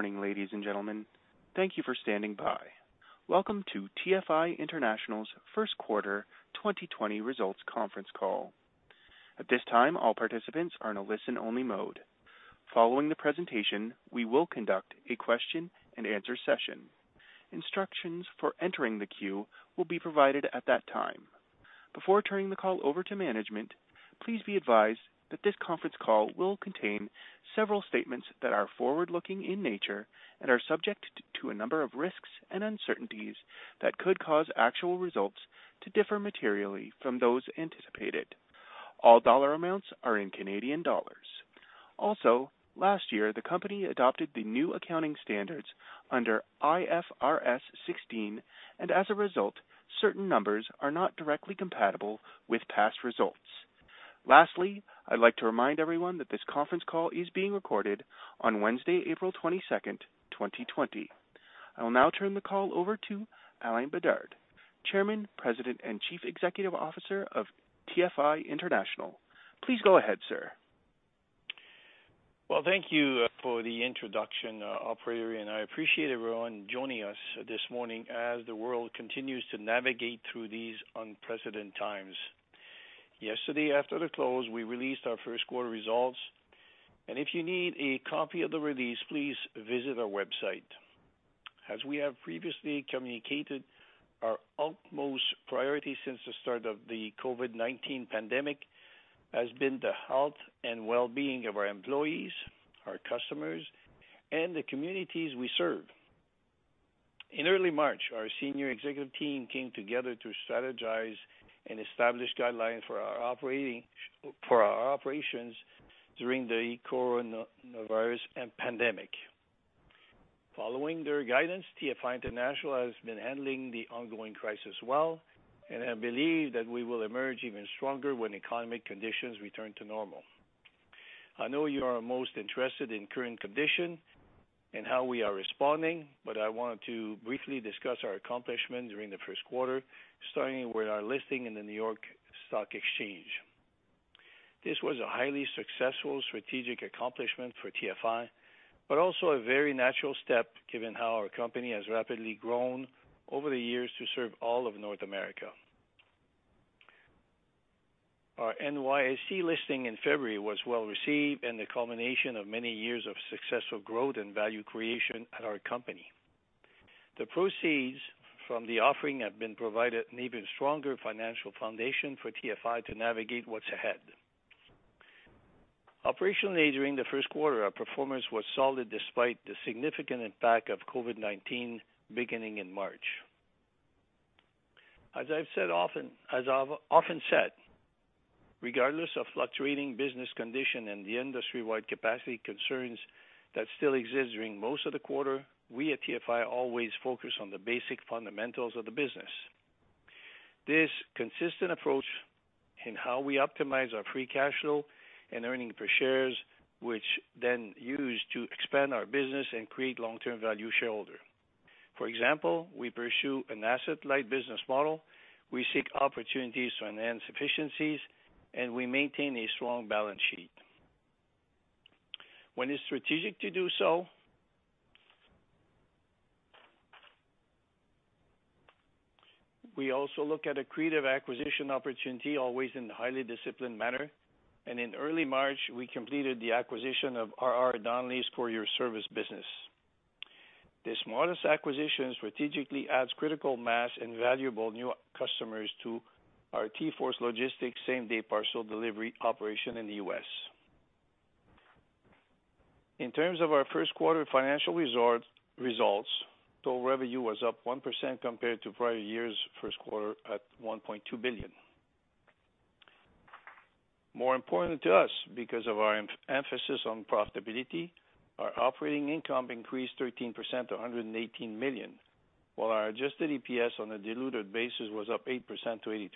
Good morning, ladies and gentlemen. Thank you for standing by. Welcome to TFI International's first quarter 2020 results conference call. At this time, all participants are in a listen-only mode. Following the presentation, we will conduct a question and answer session. Instructions for entering the queue will be provided at that time. Before turning the call over to management, please be advised that this conference call will contain several statements that are forward-looking in nature and are subject to a number of risks and uncertainties that could cause actual results to differ materially from those anticipated. All dollar amounts are in Canadian dollars. Also, last year, the company adopted the new accounting standards under IFRS 16, and as a result, certain numbers are not directly compatible with past results. Lastly, I'd like to remind everyone that this conference call is being recorded on Wednesday, April 22nd, 2020. I will now turn the call over to Alain Bédard, Chairman, President, and Chief Executive Officer of TFI International. Please go ahead, sir. Well, thank you for the introduction, operator. I appreciate everyone joining us this morning as the world continues to navigate through these unprecedented times. Yesterday, after the close, we released our first-quarter results, and if you need a copy of the release, please visit our website. As we have previously communicated, our utmost priority since the start of the COVID-19 pandemic has been the health and well-being of our employees, our customers, and the communities we serve. In early March, our senior executive team came together to strategize and establish guidelines for our operations during the coronavirus and pandemic. Following their guidance, TFI International has been handling the ongoing crisis well, and I believe that we will emerge even stronger when economic conditions return to normal. I know you are most interested in current condition and how we are responding, but I wanted to briefly discuss our accomplishment during the first quarter, starting with our listing in the New York Stock Exchange. This was a highly successful strategic accomplishment for TFI, but also a very natural step given how our company has rapidly grown over the years to serve all of North America. Our NYSE listing in February was well-received and the culmination of many years of successful growth and value creation at our company. The proceeds from the offering have provided an even stronger financial foundation for TFI to navigate what's ahead. Operationally, during the first quarter, our performance was solid despite the significant impact of COVID-19 beginning in March. As I've often said, regardless of fluctuating business condition and the industry-wide capacity concerns that still exist during most of the quarter, we at TFI always focus on the basic fundamentals of the business. This consistent approach in how we optimize our free cash flow and earnings per share, which then used to expand our business and create long-term value shareholder. For example, we pursue an asset-light business model, we seek opportunities to enhance efficiencies, and we maintain a strong balance sheet. When it's strategic to do so, we also look at accretive acquisition opportunity, always in a highly disciplined manner. In early March, we completed the acquisition of R.R. Donnelley's courier service business. This modest acquisition strategically adds critical mass and valuable new customers to our TForce Logistics same-day parcel delivery operation in the U.S. In terms of our first quarter financial results, total revenue was up 1% compared to prior-year's first quarter at 1.2 billion. More important to us, because of our emphasis on profitability, our operating income increased 13% to 118 million, while our adjusted EPS on a diluted basis was up 8% to 0.83.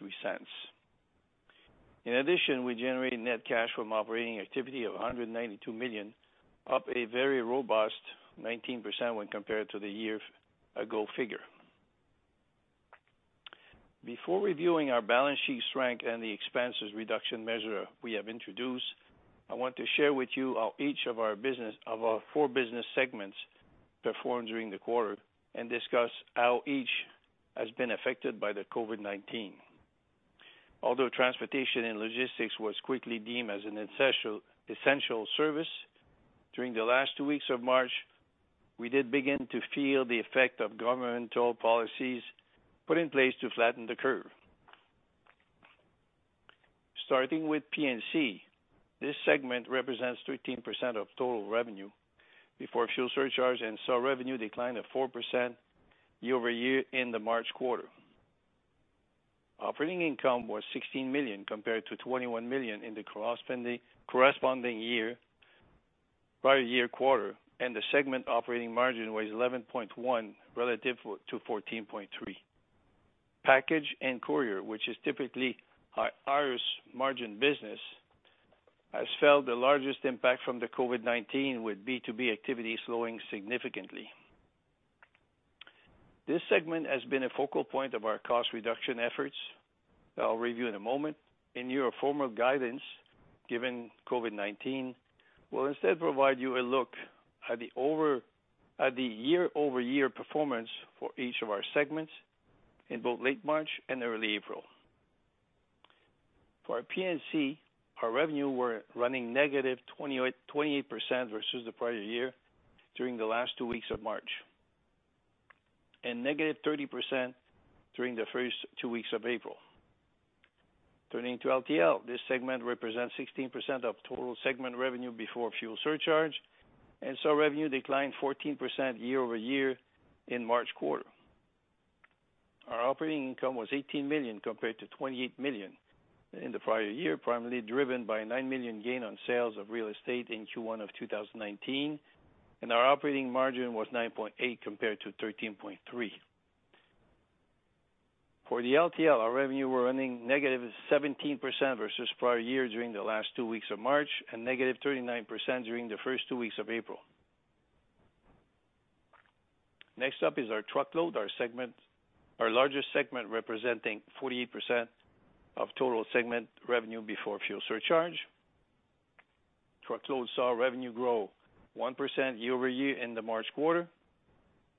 In addition, we generated net cash from operating activity of 192 million, up a very robust 19% when compared to the year-ago figure. Before reviewing our balance sheet strength and the expenses reduction measure we have introduced, I want to share with you how each of our four business segments performed during the quarter and discuss how each has been affected by the COVID-19. Although transportation and logistics was quickly deemed as an essential service, during the last two weeks of March, we did begin to feel the effect of governmental policies put in place to flatten the curve. Starting with P&C, this segment represents 13% of total revenue before fuel surcharge and saw revenue decline of 4% year-over-year in the March quarter. Operating income was 16 million compared to 21 million in the corresponding prior year quarter, and the segment operating margin was 11.1 relative to 14.3. Package and Courier, which is typically our highest margin business, has felt the largest impact from the COVID-19, with B2B activity slowing significantly. This segment has been a focal point of our cost reduction efforts that I'll review in a moment. In year formal guidance, given COVID-19, we'll instead provide you a look at the year-over-year performance for each of our segments in both late March and early April. For our P&C, our revenue were running negative 28% versus the prior year during the last two weeks of March, and -30% during the first two weeks of April. Turning to LTL, this segment represents 16% of total segment revenue before fuel surcharge. Revenue declined 14% year-over-year in March quarter. Our operating income was 18 million compared to 28 million in the prior year, primarily driven by a 9 million gain on sales of real estate in Q1 of 2019, and our operating margin was 9.8% compared to 13.3%. For the LTL, our revenue were running negative 17% versus prior year during the last two weeks of March, and -39% during the first two weeks of April. Next up is our Truckload, our largest segment, representing 48% of total segment revenue before fuel surcharge. Truckload saw revenue grow 1% year-over-year in the March quarter.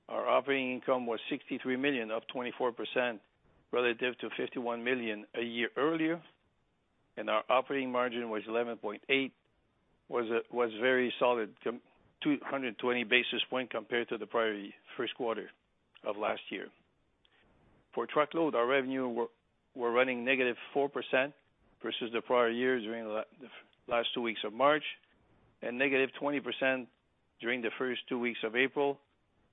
Our operating income was 63 million, up 24% relative to 51 million a year earlier, and our operating margin was 11.8%, was very solid, up 220 basis points compared to the prior first quarter of last year. For Truckload, our revenue was running -4% versus the prior year during the last two weeks of March, and -20% during the first two weeks of April,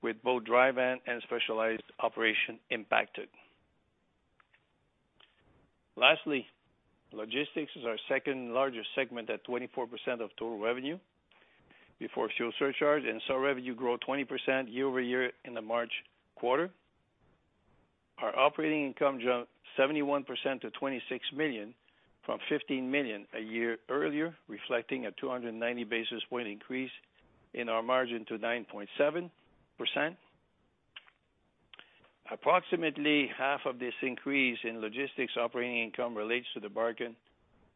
with both dry van and specialized operations impacted. Lastly, Logistics is our second-largest segment at 24% of total revenue before fuel surcharge, and saw revenue grow 20% year-over-year in the March quarter. Our operating income jumped 71% to 26 million from 15 million a year earlier, reflecting a 290 basis points increase in our margin to 9.7%. Approximately 1/2 of this increase in Logistics operating income relates to the bargain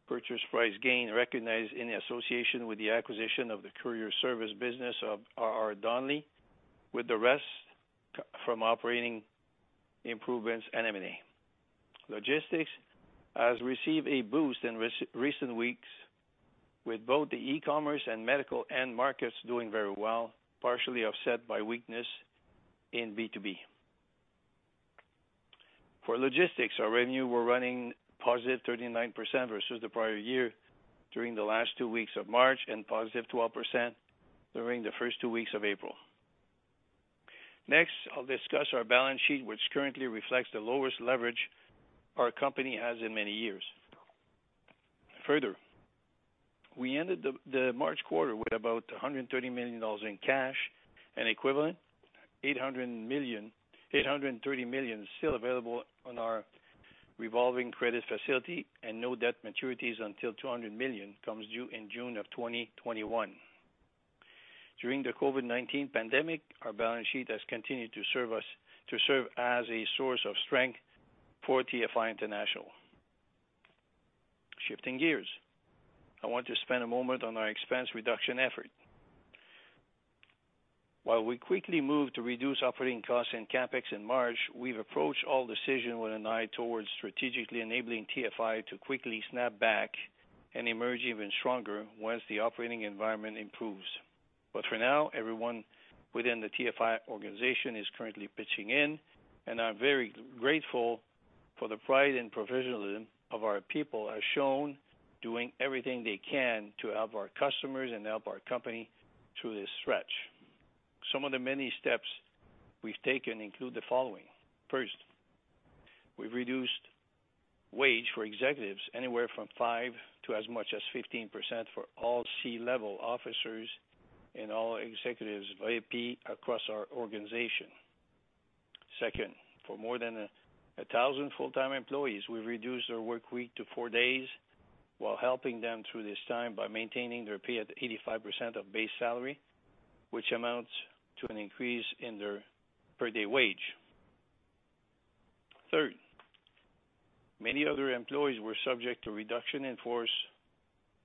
purchase price gain recognized in association with the acquisition of the Courier service business of R.R. Donnelley, with the rest from operating improvements and M&A. Logistics has received a boost in recent weeks with both the e-commerce and medical end markets doing very well, partially offset by weakness in B2B. For Logistics, our revenue were running positive 39% versus the prior year during the last two weeks of March and positive 12% during the first two weeks of April. Next, I'll discuss our balance sheet, which currently reflects the lowest leverage our company has in many years. Further, we ended the March quarter with about 130 million dollars in cash and equivalent, 830 million still available on our revolving credit facility, and no debt maturities until 200 million comes due in June of 2021. During the COVID-19 pandemic, our balance sheet has continued to serve as a source of strength for TFI International. Shifting gears, I want to spend a moment on our expense reduction effort. While we quickly moved to reduce operating costs and CapEx in March, we've approached all decisions with an eye towards strategically enabling TFI to quickly snap back and emerge even stronger once the operating environment improves. For now, everyone within the TFI organization is currently pitching in, and I'm very grateful for the pride and professionalism of our people as shown doing everything they can to help our customers and help our company through this stretch. Some of the many steps we've taken include the following. First, we've reduced wages for executives anywhere from 5% to as much as 15% for all C-level officers and all executives, VP across our organization. Second, for more than 1,000 full-time employees, we've reduced their work week to four days while helping them through this time by maintaining their pay at 85% of base salary, which amounts to an increase in their per day wage. Third, many other employees were subject to reduction in force,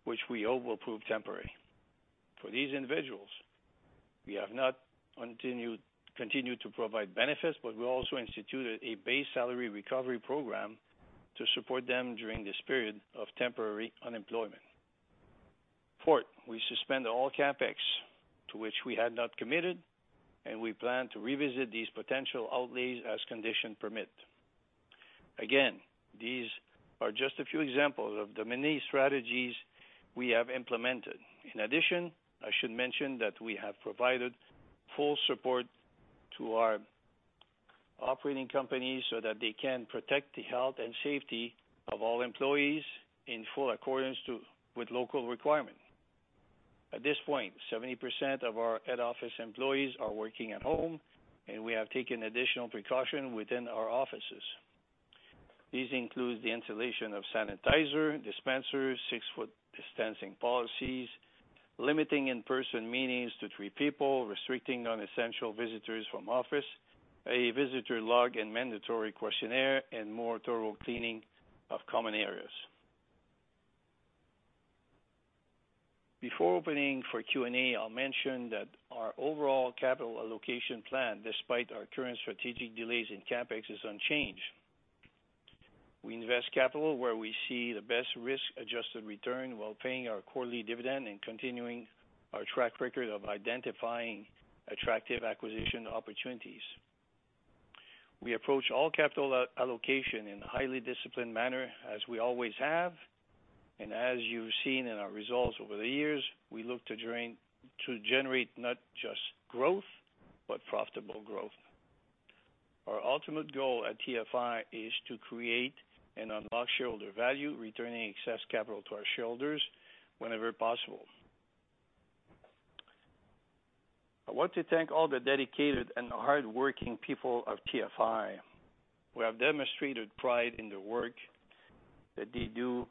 which we hope will prove temporary. For these individuals, we have not only continued to provide benefits, but we also instituted a base salary recovery program to support them during this period of temporary unemployment. Fourth, we suspend all CapEx to which we had not committed, and we plan to revisit these potential outlays as condition permit. Again, these are just a few examples of the many strategies we have implemented. In addition, I should mention that we have provided full support to our operating companies so that they can protect the health and safety of all employees in full accordance with local requirements. At this point, 70% of our head office employees are working at home. We have taken additional precautions within our offices. These include the installation of sanitizer dispensers, 6 ft distancing policies, limiting in-person meetings to three people, restricting non-essential visitors from offices, a visitor log and mandatory questionnaire, and more thorough cleaning of common areas. Before opening for Q&A, I'll mention that our overall capital allocation plan, despite our current strategic delays in CapEx, is unchanged. We invest capital where we see the best risk-adjusted return, while paying our quarterly dividend and continuing our track record of identifying attractive acquisition opportunities. We approach all capital allocation in a highly disciplined manner, as we always have. As you've seen in our results over the years, we look to generate not just growth, but profitable growth. Our ultimate goal at TFI is to create and unlock shareholder value, returning excess capital to our shareholders whenever possible. I want to thank all the dedicated and hardworking people of TFI, who have demonstrated pride in the work that they do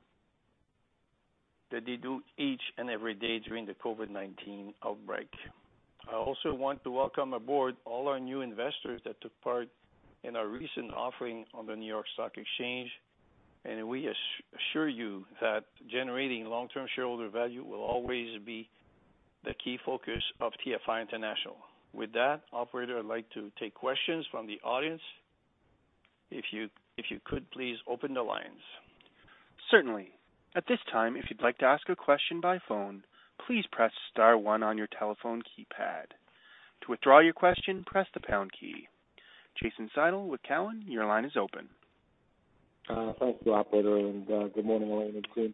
each and every day during the COVID-19 outbreak. I also want to welcome aboard all our new investors that took part in our recent offering on the New York Stock Exchange, and we assure you that generating long-term shareholder value will always be the key focus of TFI International. With that, operator, I'd like to take questions from the audience. If you could please open the lines. Certainly. At this time, if you'd like to ask a question by phone, please press star one on your telephone keypad. To withdraw your question, press the pound key. Jason Seidl with Cowen, your line is open. Thanks, operator, and good morning, Alain and team.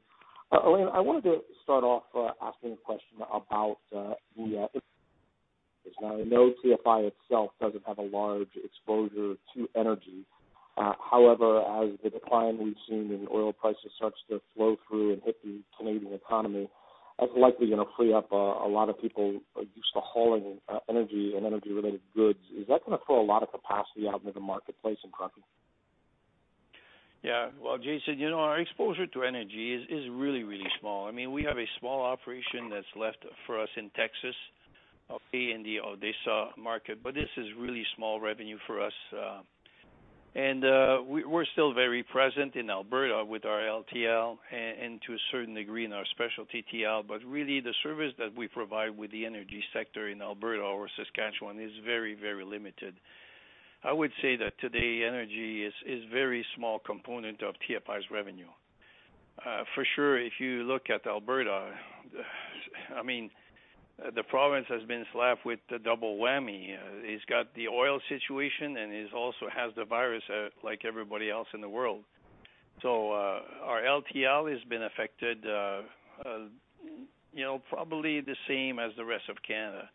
Alain, I wanted to start off asking a question about the I know TFI itself doesn't have a large exposure to energy. However, as the decline we've seen in oil prices starts to flow through and hit the Canadian economy, that's likely going to free up a lot of people used to hauling energy and energy-related goods. Is that going to throw a lot of capacity out into the marketplace in trucking? Well, Jason, our exposure to energy is really, really small. We have a small operation that's left for us in Texas, in the Odessa market, this is really small revenue for us. We're still very present in Alberta with our LTL and to a certain degree in our specialty TL. Really, the service that we provide with the energy sector in Alberta or Saskatchewan is very, very limited. I would say that today energy is very small component of TFI's revenue. For sure, if you look at Alberta, the province has been slapped with the double whammy. It's got the oil situation, it also has the virus like everybody else in the world. Our LTL has been affected probably the same as the rest of Canada.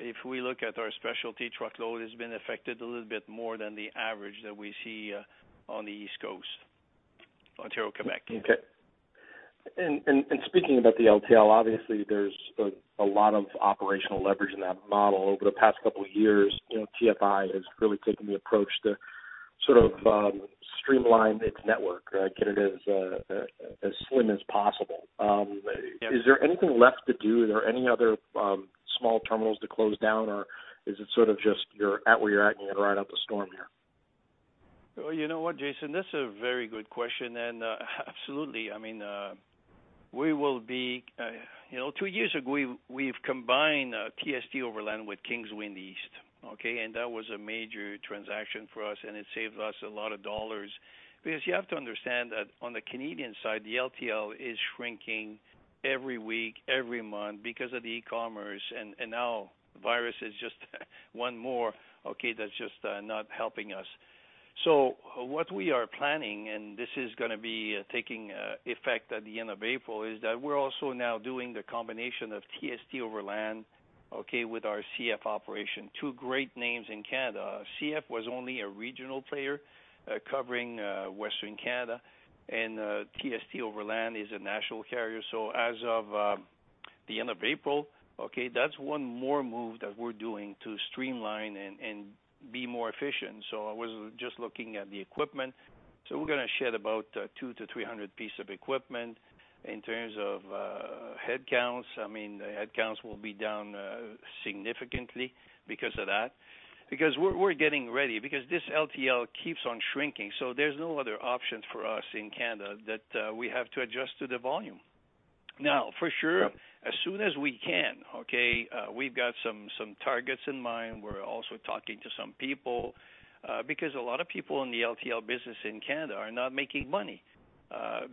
If we look at our specialty Truckload, it's been affected a little bit more than the average that we see on the East Coast, Ontario, Quebec. Okay. Speaking about the LTL, obviously there's a lot of operational leverage in that model. Over the past couple of years, TFI has really taken the approach to sort of streamline its network, get it as slim as possible. Is there anything left to do? Are there any other small terminals to close down, or is it sort of just you're at where you're at, and you're going to ride out the storm here? You know what, Jason? That's a very good question, absolutely. Two years ago, we've combined TST Overland with Kingsway in the East, okay? That was a major transaction for us, and it saved us a lot of dollars. You have to understand that on the Canadian side, the LTL is shrinking every week, every month because of the e-commerce, and now the virus is just one more, okay, that's just not helping us. What we are planning, and this is going to be taking effect at the end of April, is that we're also now doing the combination of TST Overland, okay, with our CF operation. Two great names in Canada. CF was only a regional player, covering Western Canada, and TST Overland is a national carrier. As of the end of April, okay, that's one more move that we're doing to streamline and be more efficient. I was just looking at the equipment. We're going to shed about 200 to 300 piece of equipment. In terms of headcounts, the headcounts will be down significantly because of that. We're getting ready, because this LTL keeps on shrinking. There's no other options for us in Canada, that we have to adjust to the volume. Now, for sure, as soon as we can, okay, we've got some targets in mind. We're also talking to some people. A lot of people in the LTL business in Canada are not making money,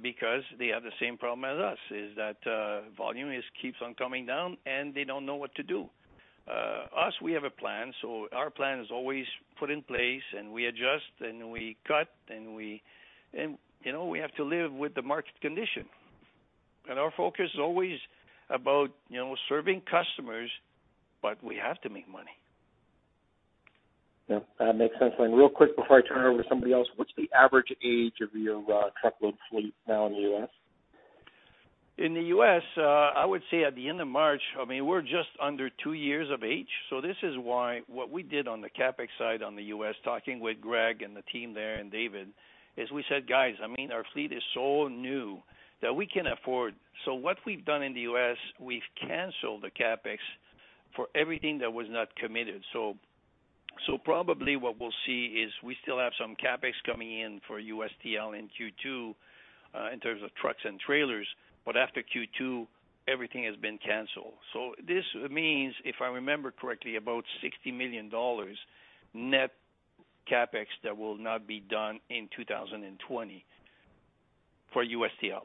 because they have the same problem as us, is that volume just keeps on coming down, and they don't know what to do. Us, we have a plan. Our plan is always put in place, and we adjust and we cut, and we have to live with the market condition. Our focus is always about serving customers, but we have to make money. Yeah. That makes sense, Alain. Real quick before I turn it over to somebody else, what's the average age of your truckload fleet now in the U.S.? In the U.S., I would say at the end of March, we're just under two years of age. This is why what we did on the CapEx side on the U.S., talking with Greg and the team there, and David, is we said, "Guys, our fleet is so new that we can afford" What we've done in the U.S., we've canceled the CapEx for everything that was not committed. Probably what we'll see is we still have some CapEx coming in for USTL in Q2, in terms of trucks and trailers. After Q2, everything has been canceled. This means, if I remember correctly, about 60 million dollars net CapEx that will not be done in 2020 for USTL.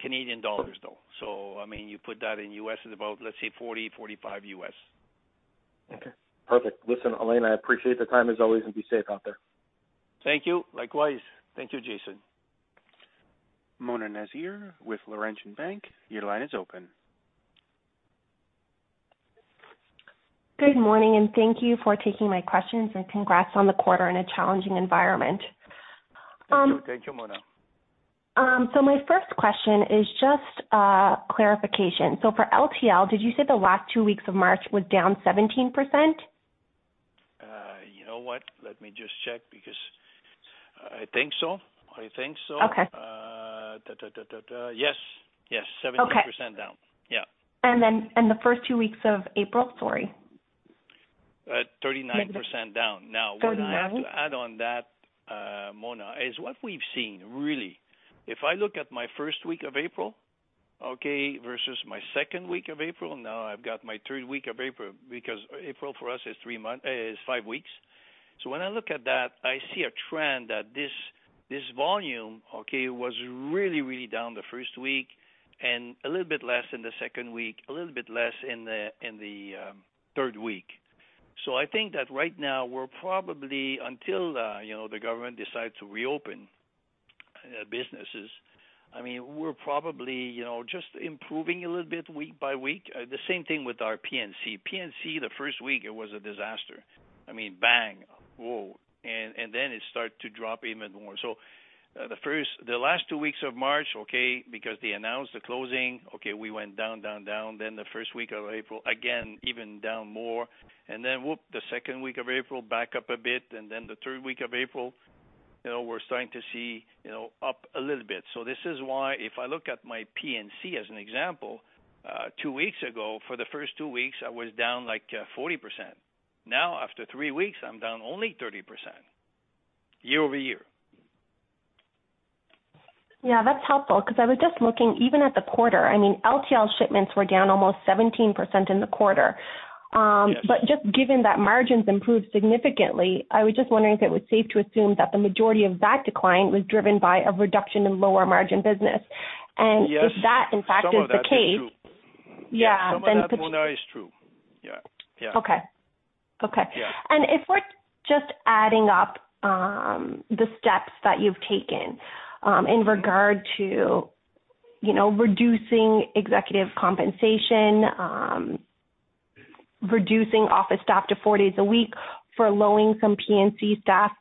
Canadian dollars, though. You put that in U.S., it's about, let's say $40, $45. Okay, perfect. Listen, Alain, I appreciate the time, as always. Be safe out there. Thank you. Likewise. Thank you, Jason. Mona Nazir with Laurentian Bank, your line is open. Good morning, and thank you for taking my questions, and congrats on the quarter in a challenging environment. Thank you, Mona. My first question is just clarification. For LTL, did you say the last two weeks of March was down 17%? You know what? Let me just check, because I think so. Okay. Yes. 17% down. Yeah. The first two weeks of April? Sorry. 39% down. 39%? what I have to add on that, Mona, is what we've seen, really, if I look at my first week of April, versus my second week of April, now I've got my third week of April, because April for us is five weeks. When I look at that, I see a trend that this volume was really down the first week, and a little bit less in the second week, a little bit less in the third week. I think that right now, until the government decides to reopen businesses, we're probably just improving a little bit week by week. The same thing with our P&C. P&C, the first week, it was a disaster. I mean, bang, whoa. Then it started to drop even more. The last two weeks of March, because they announced the closing, we went down. The first week of April, again, even down more. The second week of April, back up a bit. The third week of April, we're starting to see up a little bit. This is why, if I look at my P&C as an example, two weeks ago, for the first two weeks, I was down, like, 40%. Now, after three weeks, I'm down only 30% year-over-year. Yeah, that's helpful, because I was just looking, even at the quarter, LTL shipments were down almost 17% in the quarter. Just given that margins improved significantly, I was just wondering if it was safe to assume that the majority of that decline was driven by a reduction in lower margin business. If that, in fact, is the case. Some of that is true. Some of that, Mona, is true. Yeah. Okay. If we're just adding up the steps that you've taken in regard to reducing executive compensation, reducing office staff to four days a week, furloughing some P&C staff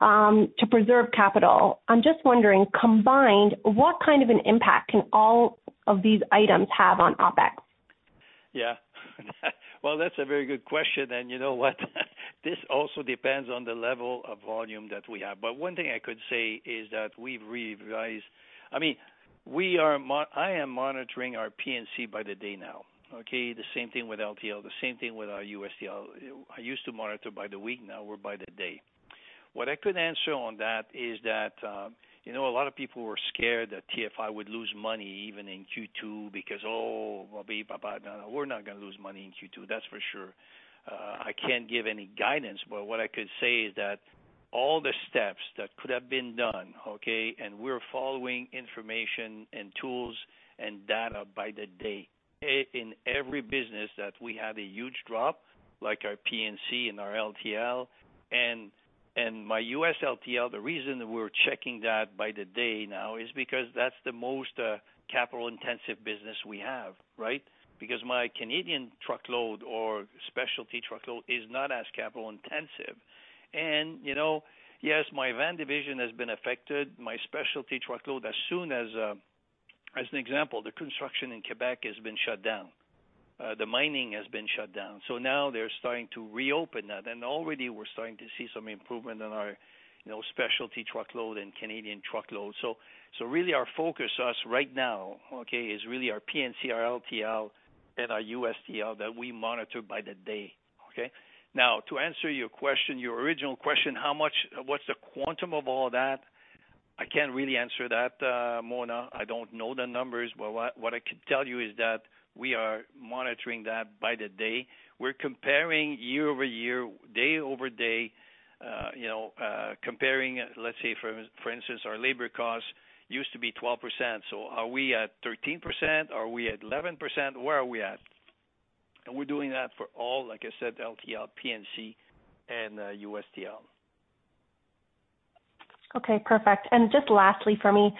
to preserve capital, I'm just wondering, combined, what kind of an impact can all of these items have on OpEx? Yeah. Well, that's a very good question. You know what? This also depends on the level of volume that we have. One thing I could say is that we've revised I am monitoring our P&C by the day now. The same thing with LTL, the same thing with our U.S. TL. I used to monitor by the week, now we're by the day. What I could answer on that is that, a lot of people were scared that TFI would lose money even in Q2. No, we're not going to lose money in Q2, that's for sure. I can't give any guidance, but what I could say is that all the steps that could have been done, and we're following information and tools and data by the day in every business that we had a huge drop, like our P&C and our LTL. My U.S. LTL, the reason we're checking that by the day now is because that's the most capital-intensive business we have, right? My Canadian truckload or specialty truckload is not as capital-intensive. Yes, my van division has been affected. My specialty truckload, as an example, the construction in Quebec has been shut down. The mining has been shut down. Now they're starting to reopen that, and already we're starting to see some improvement in our specialty truckload and Canadian truckload. Really our focus right now is really our P&C, our LTL, and our U.S. TL that we monitor by the day. Now, to answer your original question, what's the quantum of all that? I can't really answer that, Mona. I don't know the numbers. What I could tell you is that we are monitoring that by the day. We're comparing year-over-year, day-over-day, comparing, let's say, for instance, our labor cost used to be 12%. Are we at 13%? Are we at 11%? Where are we at? We're doing that for all, like I said, LTL, P&C, and U.S. TL. Okay, perfect. Just lastly from me,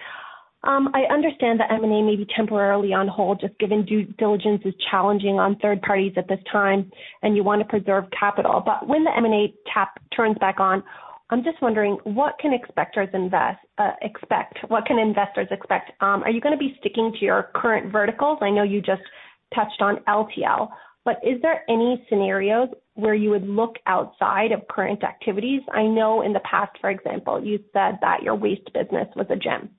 I understand that M&A may be temporarily on hold, just given due diligence is challenging on third parties at this time, and you want to preserve capital. When the M&A tap turns back on, I'm just wondering, what can investors expect? Are you going to be sticking to your current verticals? I know you touched on LTL, is there any scenarios where you would look outside of current activities? I know in the past, for example, you said that your waste business was a gem.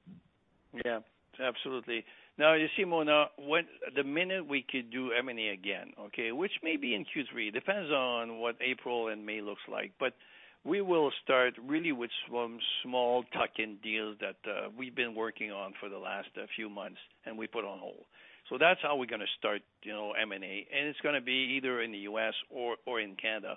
Yeah, absolutely. You see, Mona, the minute we could do M&A again. May be in Q3, depends on what April and May looks like. We will start really with some small tuck-in deals that we've been working on for the last few months, and we put on hold. That's how we're going to start M&A, and it's going to be either in the U.S. or in Canada.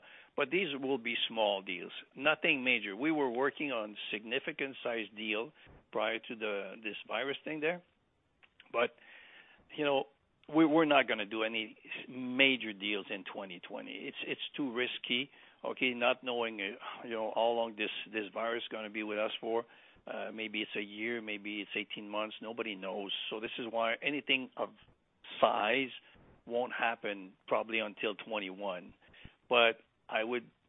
These will be small deals, nothing major. We were working on significant size deals prior to this virus thing there, but we're not going to do any major deals in 2020. It's too risky. Not knowing how long this virus is going to be with us for. Maybe it's a year, maybe it's 18 months, nobody knows. This is why anything of size won't happen probably until 2021.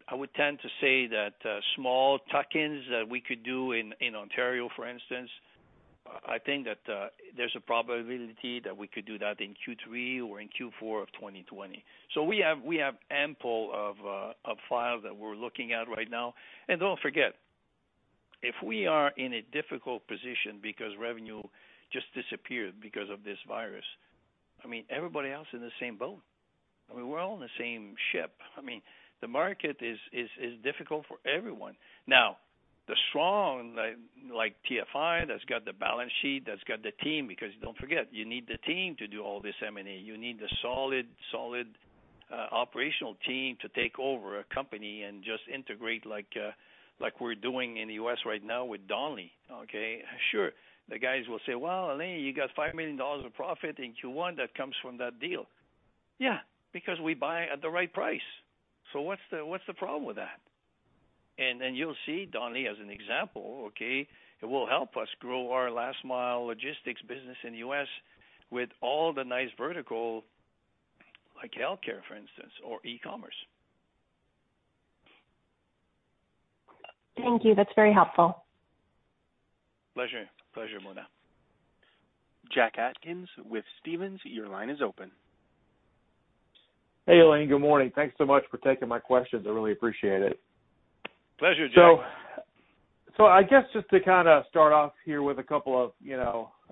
I would tend to say that small tuck-ins that we could do in Ontario, for instance, I think that there's a probability that we could do that in Q3 or in Q4 of 2020. We have ample of files that we're looking at right now. Don't forget, if we are in a difficult position because revenue just disappeared because of this virus, everybody else in the same boat. We're all on the same ship. The market is difficult for everyone. Now, the strong like TFI, that's got the balance sheet, that's got the team, because don't forget, you need the team to do all this M&A. You need the solid operational team to take over a company and just integrate like we're doing in the U.S. right now with Donnelley. Sure, the guys will say, "Well, Alain, you got 5 million dollars of profit in Q1 that comes from that deal." Yeah, because we buy at the right price. What's the problem with that? You'll see Donnelley as an example. It will help us grow our last-mile logistics business in the U.S. with all the nice vertical like healthcare, for instance, or e-commerce. Thank you. That's very helpful. Pleasure, Mona. Jack Atkins with Stephens, your line is open. Hey, Alain, good morning. Thanks so much for taking my questions. I really appreciate it. Pleasure, Jack. I guess just to start off here with a couple of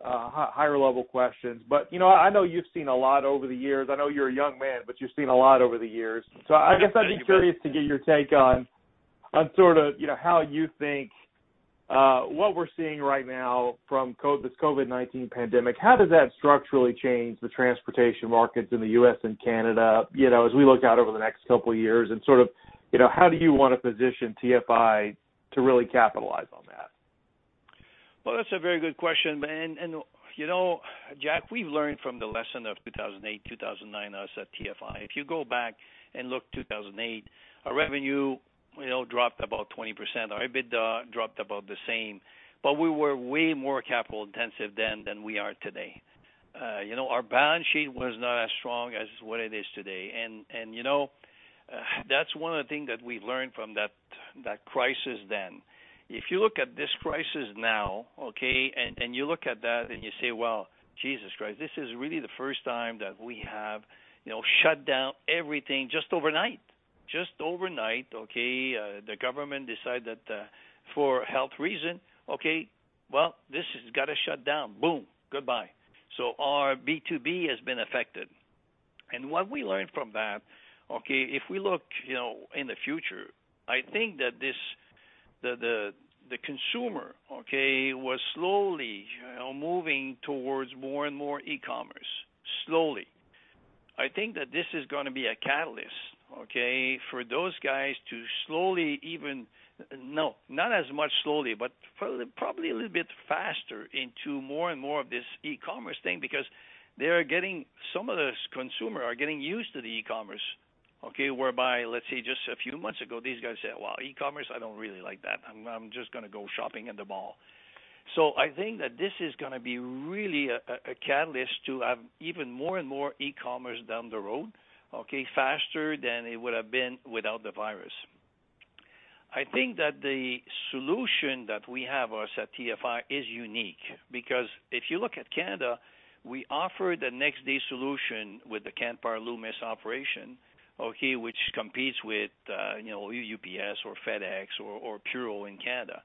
higher-level questions. I know you've seen a lot over the years. I know you're a young man, but you've seen a lot over the years. I guess I'd be curious to get your take on how you think what we're seeing right now from this COVID-19 pandemic, how does that structurally change the transportation markets in the U.S. and Canada, as we look out over the next couple of years, and how do you want to position TFI to really capitalize on that? Well, that's a very good question. Jack, we've learned from the lesson of 2008, 2009 us at TFI. If you go back and look 2008, our revenue dropped about 20%, our EBITDA dropped about the same, but we were way more capital-intensive then, than we are today. Our balance sheet was not as strong as what it is today. That's one of the things that we've learned from that crisis then. If you look at this crisis now, and you look at that and you say, "Well, Jesus Christ, this is really the first time that we have shut down everything just overnight." The government decided that for health reason, well, this has got to shut down. Boom, goodbye. Our B2B has been affected. What we learned from that, if we look in the future, I think that the consumer was slowly moving towards more and more e-commerce. Slowly. I think that this is going to be a catalyst for those guys to No, not as much slowly, but probably a little bit faster into more and more of this e-commerce thing because some of the consumer are getting used to the e-commerce. Whereby, let's say just a few months ago, these guys said, "Well, e-commerce, I don't really like that. I'm just going to go shopping in the mall." I think that this is going to be really a catalyst to have even more and more e-commerce down the road, faster than it would've been without the virus. I think that the solution that we have us at TFI is unique because if you look at Canada, we offer the next day solution with the Canpar/Loomis operation, which competes with UPS or FedEx or Purol in Canada.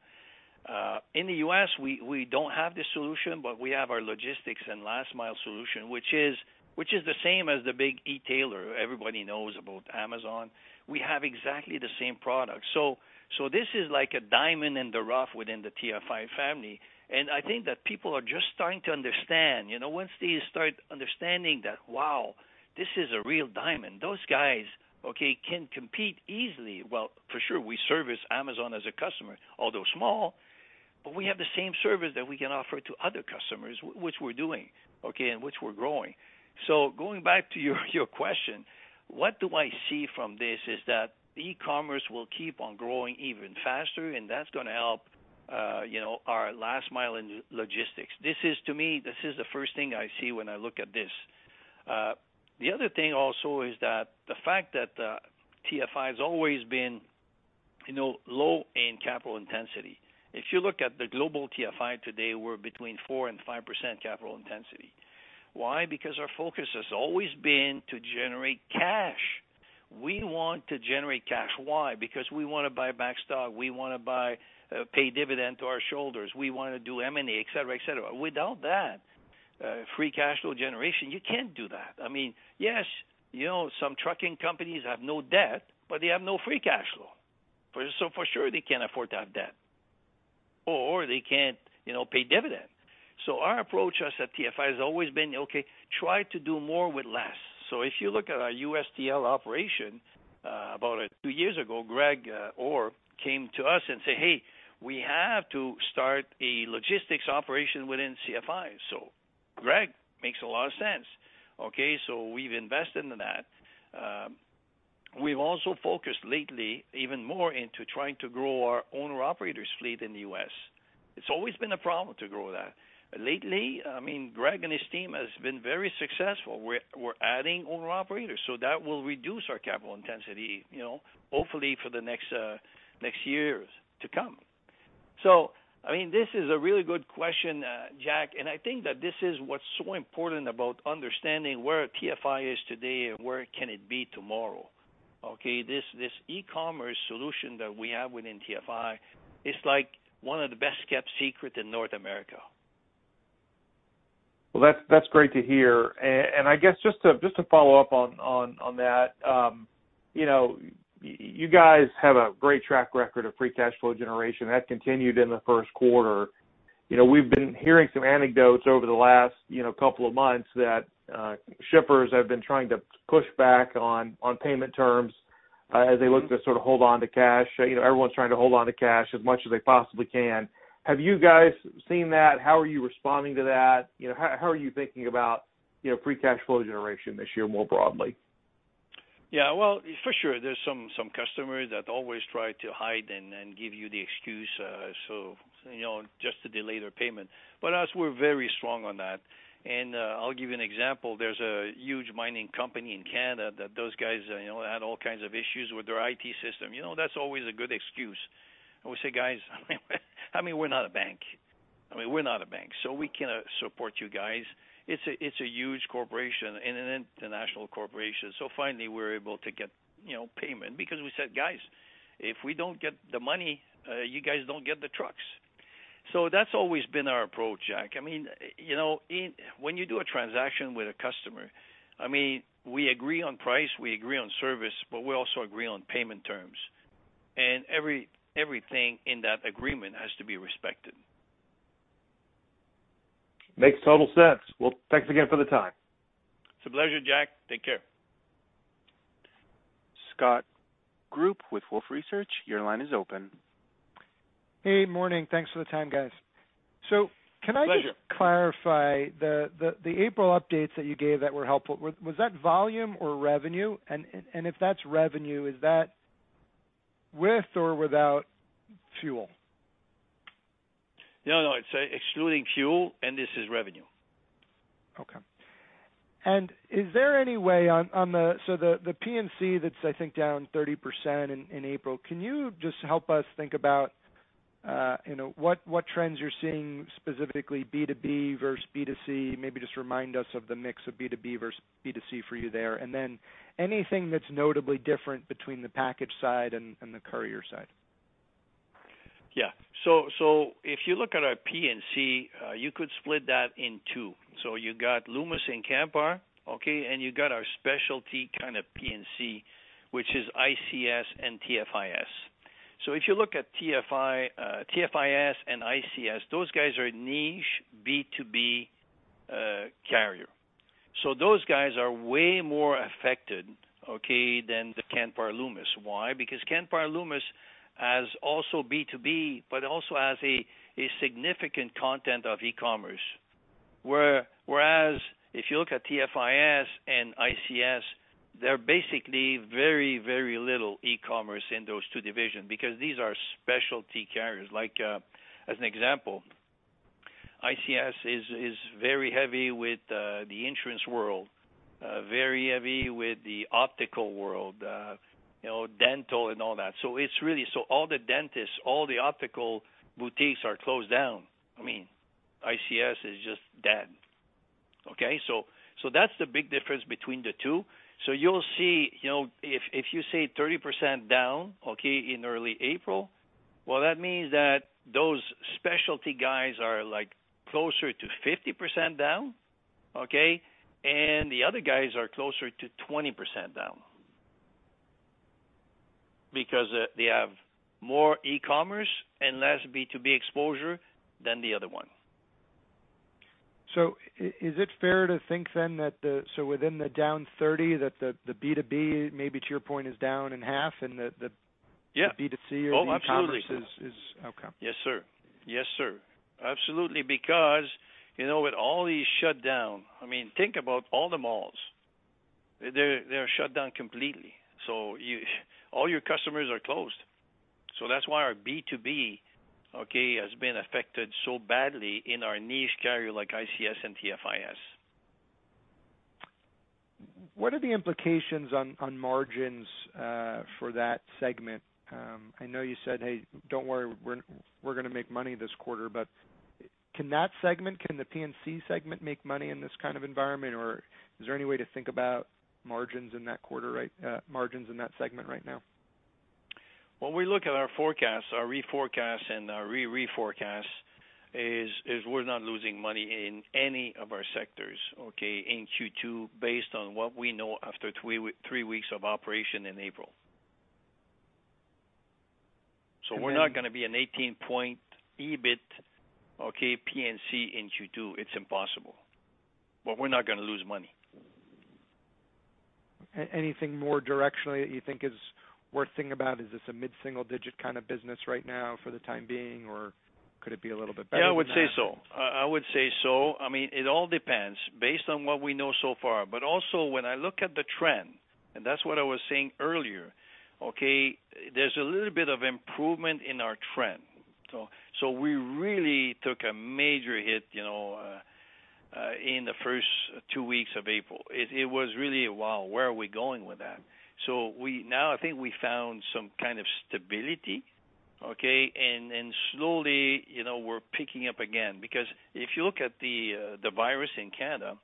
In the U.S., we don't have this solution, but we have our Logistics and Last Mile solution, which is the same as the big e-tailer. Everybody knows about Amazon. We have exactly the same product. This is like a diamond in the rough within the TFI family, and I think that people are just starting to understand. Once they start understanding that, wow, this is a real diamond. Those guys can compete easily. Well, for sure, we service Amazon as a customer, although small, but we have the same service that we can offer to other customers, which we're doing and which we're growing. Going back to your question, what do I see from this is that e-commerce will keep on growing even faster, and that's going to help our Last Mile and Logistics. To me, this is the first thing I see when I look at this. The other thing also is that the fact that TFI's always been low in capital intensity. If you look at the global TFI today, we're between 4% and 5% capital intensity. Why? Because our focus has always been to generate cash. We want to generate cash. Why? Because we want to buy back stock, we want to pay dividend to our shareholders, we want to do M&A, et cetera. Without that free cash flow generation, you can't do that. Yes, some trucking companies have no debt, but they have no free cash flow. For sure they can't afford to have debt or they can't pay dividend. Our approach us at TFI has always been, okay, try to do more with less. If you look at our U.S. TL operation, about two years ago, Greg Orr came to us and say, "Hey, we have to start a logistics operation within TFI." Greg makes a lot of sense. We've invested in that. We've also focused lately even more into trying to grow our owner-operators fleet in the U.S. It's always been a problem to grow that. Lately, Greg and his team has been very successful. We're adding owner-operators, so that will reduce our capital intensity, hopefully for the next years to come. This is a really good question, Jack, and I think that this is what's so important about understanding where TFI is today and where can it be tomorrow. Okay. This e-commerce solution that we have within TFI is like one of the best-kept secrets in North America. Well, that's great to hear. I guess just to follow up on that. You guys have a great track record of free cash flow generation. That continued in the first quarter. We've been hearing some anecdotes over the last couple of months that shippers have been trying to push back on payment terms as they look to sort of hold onto cash. Everyone's trying to hold onto cash as much as they possibly can. Have you guys seen that? How are you responding to that? How are you thinking about free cash flow generation this year more broadly? Yeah, well, for sure there is some customers that always try to hide and give you the excuse just to delay their payment. Us, we are very strong on that. I will give you an example. There is a huge mining company in Canada that those guys had all kinds of issues with their IT system. That is always a good excuse. We say, "Guys, we are not a bank. We are not a bank, so we cannot support you guys." It is a huge corporation and an international corporation. Finally we were able to get payment because we said, "Guys, if we do not get the money, you guys do not get the trucks." That has always been our approach, Jack. When you do a transaction with a customer, we agree on price, we agree on service, but we also agree on payment terms, and everything in that agreement has to be respected. Makes total sense. Well, thanks again for the time. It's a pleasure, Jack. Take care. Scott Group with Wolfe Research, your line is open. Hey, morning. Thanks for the time, guys. Pleasure. Can I just clarify the April updates that you gave that were helpful, was that volume or revenue? If that's revenue, is that with or without fuel? No, it's excluding fuel, and this is revenue. Okay. Is there any way on the P&C that's I think down 30% in April, can you just help us think about what trends you're seeing specifically B2B versus B2C? Maybe just remind us of the mix of B2B versus B2C for you there, anything that's notably different between the package side and the courier side. Yeah. If you look at our P&C, you could split that in two. You got Loomis and Canpar, okay, and you got our specialty kind of P&C, which is ICS and TFIS. If you look at TFIS and ICS, those guys are a niche B2B carrier. Those guys are way more affected than the Canpar, Loomis. Why? Because Canpar, Loomis has also B2B, but also has a significant content of e-commerce. Whereas if you look at TFIS and ICS, they're basically very little e-commerce in those two divisions because these are specialty carriers. Like as an example, ICS is very heavy with the insurance world, very heavy with the optical world, dental and all that. All the dentists, all the optical boutiques are closed down. ICS is just dead. Okay, so that's the big difference between the two. You'll see if you say 30% down in early April, well, that means that those specialty guys are closer to 50% down, okay, and the other guys are closer to 20% down because they have more e-commerce and less B2B exposure than the other one. Is it fair to think within the down 30% that the B2B maybe to your point, is down in half and the B2C or the e-commerce is- Oh, absolutely. Okay. Yes, sir. Absolutely. With all these shut down, think about all the malls. They're shut down completely. All your customers are closed. That's why our B2B has been affected so badly in our niche carrier like ICS and TFIS. What are the implications on margins for that segment? I know you said, "Hey, don't worry. We're going to make money this quarter." Can the P&C segment make money in this kind of environment, or is there any way to think about margins in that segment right now? When we look at our forecasts, our re-forecasts and our re-re-forecasts is we're not losing money in any of our sectors, okay? In Q2, based on what we know after three weeks of operation in April. We're not going to be an 18-point EBIT, okay, P&C in Q2. It's impossible. We're not going to lose money. Anything more directionally that you think is worth thinking about? Is this a mid-single digit kind of business right now for the time being, or could it be a little bit better than that? Yeah, I would say so. It all depends based on what we know so far, but also when I look at the trend, and that's what I was saying earlier, okay, there's a little bit of improvement in our trend. We really took a major hit in the first two weeks of April. It was really a, "Wow, where are we going with that?" Now I think we found some kind of stability, okay, and slowly we're picking up again. If you look at the virus in Canada,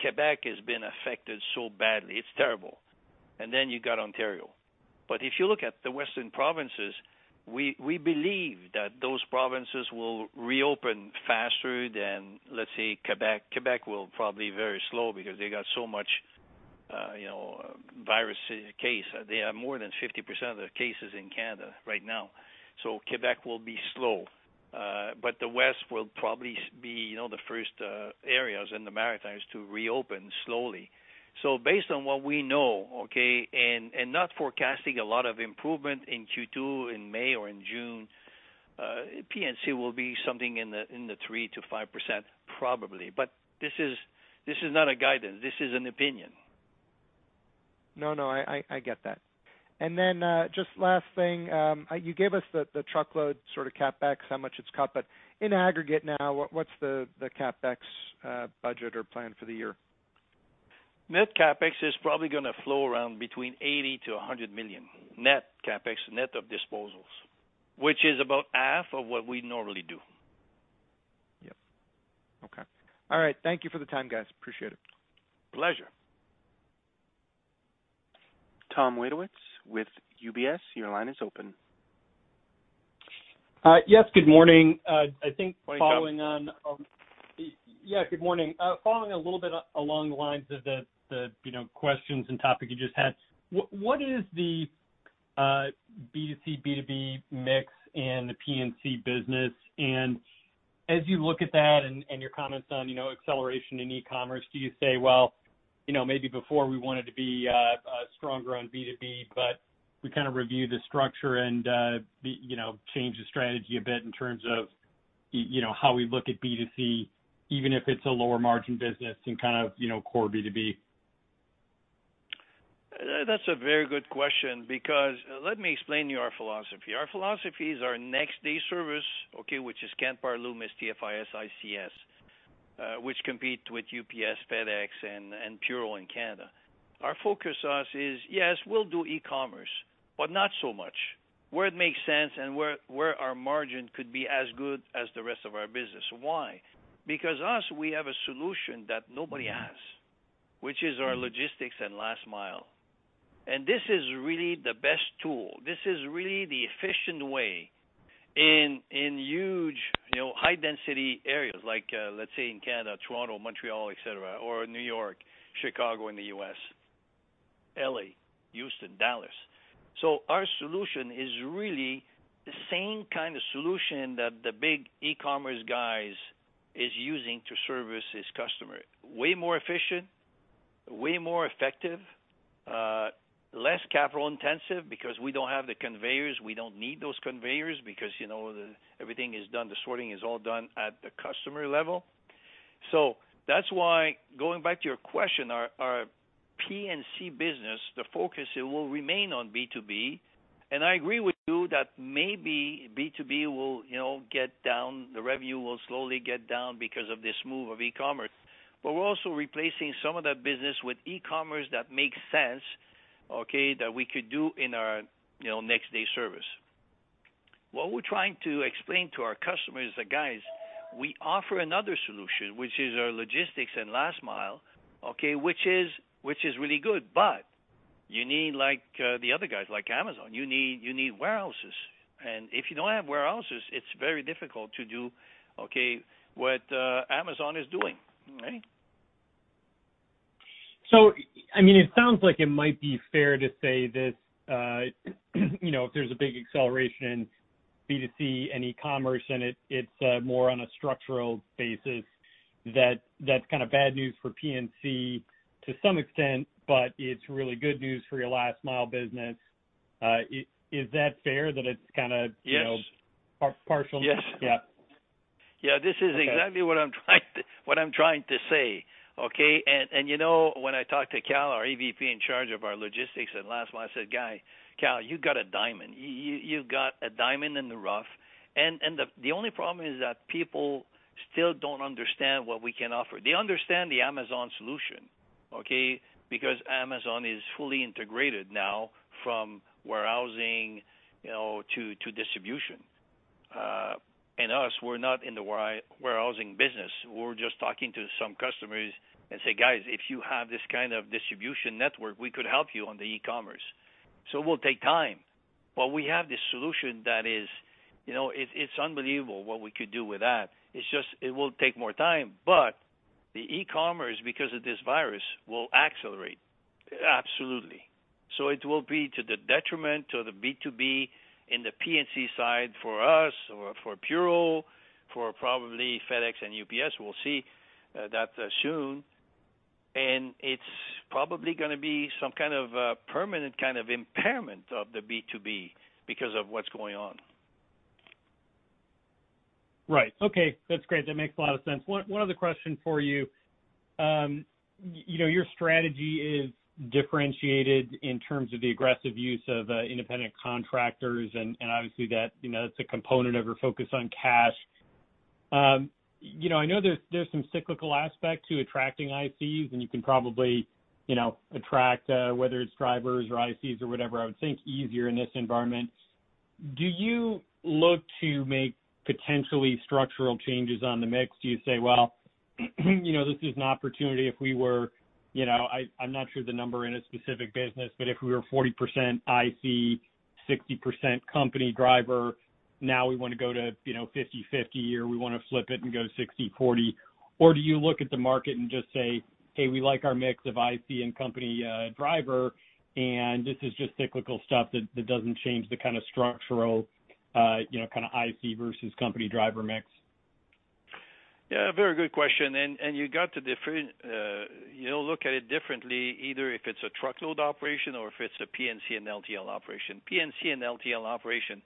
Quebec has been affected so badly. It's terrible. Then you've got Ontario. If you look at the western provinces, we believe that those provinces will reopen faster than, let's say, Quebec. Quebec will probably very slow because they got so much virus case. They have more than 50% of the cases in Canada right now. Quebec will be slow. The West will probably be the first areas in the Maritimes to reopen slowly. Based on what we know, okay, and not forecasting a lot of improvement in Q2, in May or in June, P&C will be something in the 3%-5%, probably. This is not a guidance, this is an opinion. No, I get that. Just last thing, you gave us the Truckload sort of CapEx, how much it is cut. In aggregate now, what is the CapEx budget or plan for the year? Net CapEx is probably going to flow around between 80 million-100 million. Net CapEx, net of disposals, which is about 1/2 of what we normally do. Yep. Okay. All right. Thank you for the time, guys. Appreciate it. Pleasure. Tom Wadewitz with UBS, your line is open. Yes, good morning. Morning, Tom. Yeah, good morning. Following a little bit along the lines of the questions and topic you just had, what is the B2C, B2B mix in the P&C business? As you look at that and your comments on acceleration in e-commerce, do you say, "Well, maybe before we wanted to be stronger on B2B, but we kind of review the structure and change the strategy a bit in terms of how we look at B2C, even if it's a lower margin business than core B2B? That's a very good question because let me explain to you our philosophy. Our philosophy is our next day service, okay, which is Canpar, Loomis, TFIS, ICS which compete with UPS, FedEx and Purolator in Canada. Our focus is, yes, we'll do e-commerce, but not so much. Where it makes sense and where our margin could be as good as the rest of our business. Why? Us, we have a solution that nobody has, which is our Logistics and Last Mile. This is really the best tool. This is really the efficient way in huge high density areas like, let's say, in Canada, Toronto, Montreal, et cetera, or New York, Chicago in the U.S., L.A., Houston, Dallas. Our solution is really the same kind of solution that the big e-commerce guys is using to service its customer. Way more efficient, way more effective, less capital-intensive because we don't have the conveyors. We don't need those conveyors because everything is done, the sorting is all done at the customer level. That's why, going back to your question, our P&C business, the focus will remain on B2B. I agree with you that maybe B2B will get down, the revenue will slowly get down because of this move of e-commerce. We're also replacing some of that business with e-commerce that makes sense, okay, that we could do in our next day service. What we're trying to explain to our customers is that, guys, we offer another solution, which is our logistics and Last Mile, okay, which is really good, but you need, like the other guys, like Amazon, you need warehouses. If you don't have warehouses, it's very difficult to do, okay, what Amazon is doing. Right? It sounds like it might be fair to say that if there's a big acceleration in B2C and e-commerce and it's more on a structural basis, that's bad news for P&C to some extent, but it's really good news for your Last Mile business. Is that fair that it's kind of partial? Yes. Yeah. Okay. Yeah, this is exactly what I'm trying to say, okay. When I talk to Cal, our EVP in charge of our Logistics and Last Mile, I said, "Kal, you got a diamond. You've got a diamond in the rough." The only problem is that people still don't understand what we can offer. They understand the Amazon solution, okay. Because Amazon is fully integrated now from warehousing to distribution. Us, we're not in the warehousing business. We're just talking to some customers and say, "Guys, if you have this kind of distribution network, we could help you on the e-commerce." It will take time. We have this solution that is, it's unbelievable what we could do with that. It's just, it will take more time. The e-commerce, because of this virus, will accelerate. Absolutely. It will be to the detriment to the B2B in the P&C side for us or for Purolator, for probably FedEx and UPS. We'll see that soon. It's probably going to be some kind of permanent kind of impairment of the B2B because of what's going on. Right. Okay. That's great. That makes a lot of sense. One other question for you. Your strategy is differentiated in terms of the aggressive use of independent contractors and obviously that's a component of your focus on cash. I know there's some cyclical aspect to attracting ICs, and you can probably attract, whether it's drivers or ICs or whatever, I would think easier in this environment. Do you look to make potentially structural changes on the mix? Do you say, well, this is an opportunity if we were I'm not sure of the number in a specific business, but if we were 40% IC, 60% company driver, now we want to go to 50/50, or we want to flip it and go 60/40. Do you look at the market and just say, "Hey, we like our mix of IC and company driver, and this is just cyclical stuff that doesn't change the kind of structural, kind of IC versus company driver mix? Yeah, a very good question. You got to look at it differently, either if it's a truckload operation or if it's a P&C and LTL operation. P&C and LTL operation,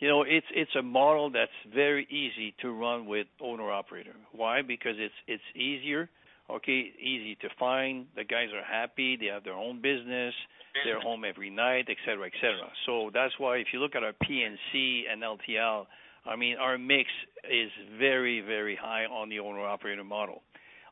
it's a model that's very easy to run with owner-operator. Why? Because it's easier. Okay, easy to find, the guys are happy, they have their own business. Yeah. That's why if you look at our P&C and LTL, our mix is very, very high on the owner-operator model.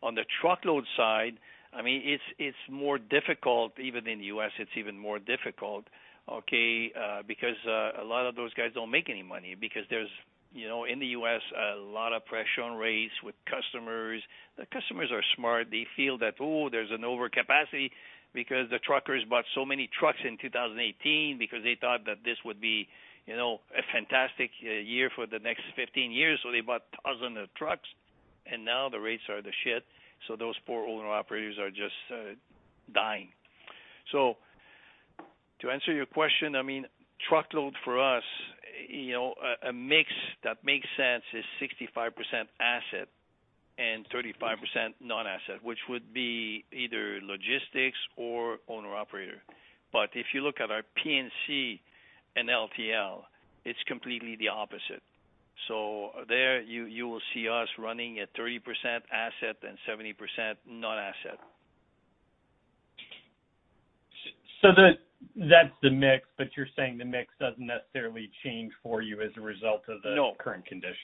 On the Truckload side, it's more difficult, even in the U.S., it's even more difficult, okay? A lot of those guys don't make any money because there's, in the U.S., a lot of pressure on rates with customers. The customers are smart. They feel that there's an overcapacity because the truckers bought so many trucks in 2018 because they thought that this would be a fantastic year for the next 15 years, they bought thousands of trucks, now the rates are the, those poor owner-operators are just dying. To answer your question, truckload for us, a mix that makes sense is 65% asset and 35% non-asset, which would be either logistics or owner-operator. If you look at our P&C and LTL, it's completely the opposite. There you will see us running at 30% asset and 70% non-asset. That's the mix, but you're saying the mix doesn't necessarily change for you as a result of the current condition.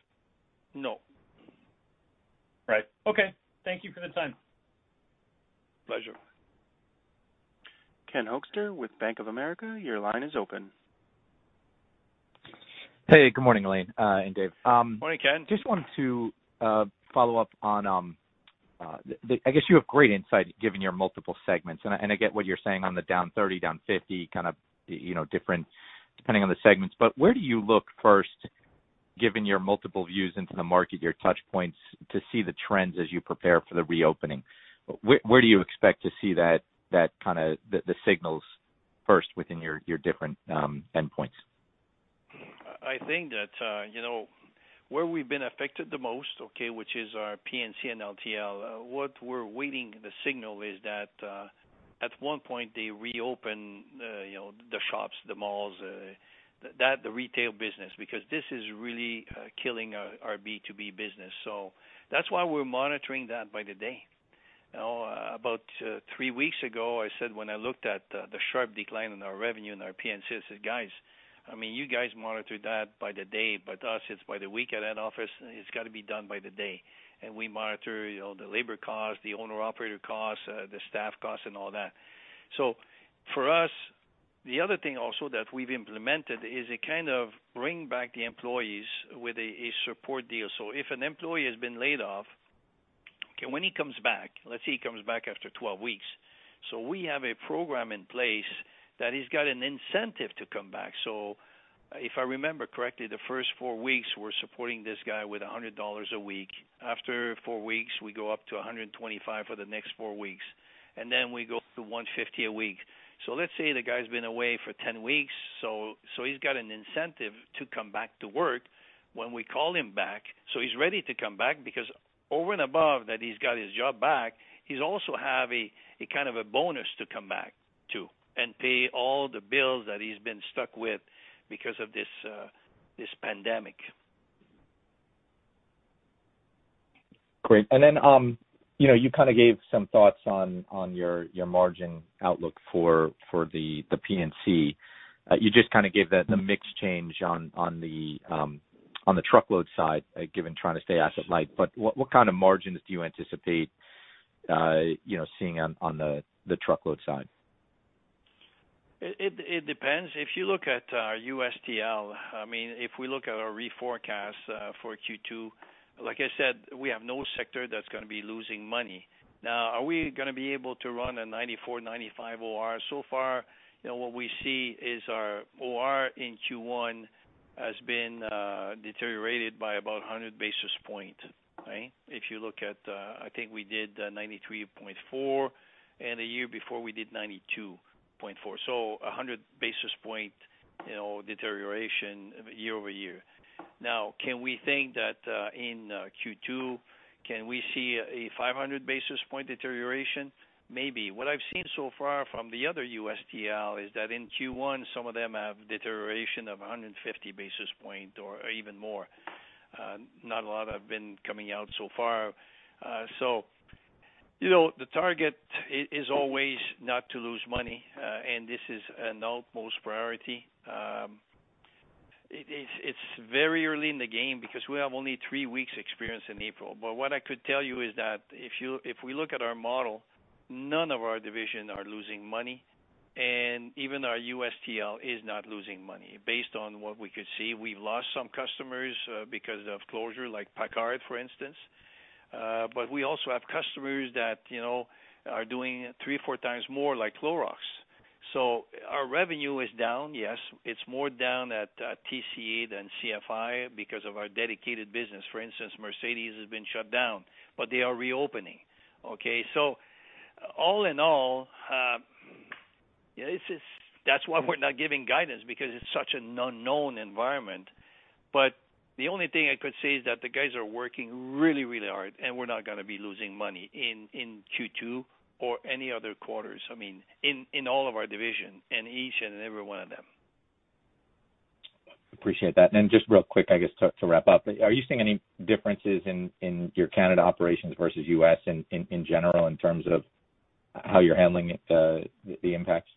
No. Right. Okay. Thank you for the time. Pleasure. Ken Hoexter with Bank of America, your line is open. Hey, good morning, Alain and Dave. Morning, Ken. Just wanted to follow up on, I guess you have great insight given your multiple segments, and I get what you're saying on the down 30, down 50, kind of different depending on the segments. Where do you look first, given your multiple views into the market, your touch points, to see the trends as you prepare for the reopening? Where do you expect to see the signals first within your different endpoints? I think that where we've been affected the most, okay, which is our P&C and LTL, what we're waiting the signal is that, at one point, they reopen the shops, the malls, the retail business. This is really killing our B2B business. That's why we're monitoring that by the day. About three weeks ago, I said when I looked at the sharp decline in our revenue in our P&C, I said, "Guys, you guys monitor that by the day, but us, it's by the week at head office. It's got to be done by the day." We monitor the labor cost, the owner operator costs, the staff costs and all that. For us, the other thing also that we've implemented is a kind of bring back the employees with a support deal. If an employee has been laid off, when he comes back, let's say he comes back after 12 weeks, so we have a program in place that he's got an incentive to come back. If I remember correctly, the first four weeks we're supporting this guy with 100 dollars a week. After four weeks, we go up to 125 for the next four weeks. Then we go to 150 a week. Let's say the guy's been away for 10 weeks, so he's got an incentive to come back to work when we call him back. He's ready to come back because over and above that he's got his job back, he's also have a kind of a bonus to come back to and pay all the bills that he's been stuck with because of this pandemic. Great. Then you gave some thoughts on your margin outlook for the P&C. You just gave the mix change on the truckload side, given trying to stay asset-light. What kind of margins do you anticipate seeing on the Truckload side? It depends. If you look at our U.S. TL, if we look at our reforecast for Q2, like I said, we have no sector that's going to be losing money. Are we going to be able to run a 94, 95 OR? Far, what we see is our OR in Q1 has been deteriorated by about 100 basis point. If you look at, I think we did 93.4, and the year before we did 92.4. 100 basis point deterioration year-over-year. Can we think that in Q2, can we see a 500 basis point deterioration? Maybe. What I've seen so far from the other USTL is that in Q1, some of them have deterioration of 150 basis point or even more. Not a lot have been coming out so far. The target is always not to lose money, and this is an utmost priority. It's very early in the game because we have only three weeks experience in April. What I could tell you is that if we look at our model, none of our division are losing money, and even our U.S. TL is not losing money based on what we could see. We've lost some customers because of closure, like PACCAR, for instance. We also have customers that are doing three or four times more like Clorox. Our revenue is down, yes. It's more down at TCA than CFI because of our dedicated business. For instance, Mercedes-Benz has been shut down, but they are reopening. All in all, that's why we're not giving guidance because it's such an unknown environment. The only thing I could say is that the guys are working really hard, and we're not going to be losing money in Q2 or any other quarters, in all of our division, in each and every one of them. Appreciate that. Just real quick, I guess, to wrap up. Are you seeing any differences in your Canada operations versus U.S. in general in terms of how you're handling the impacts?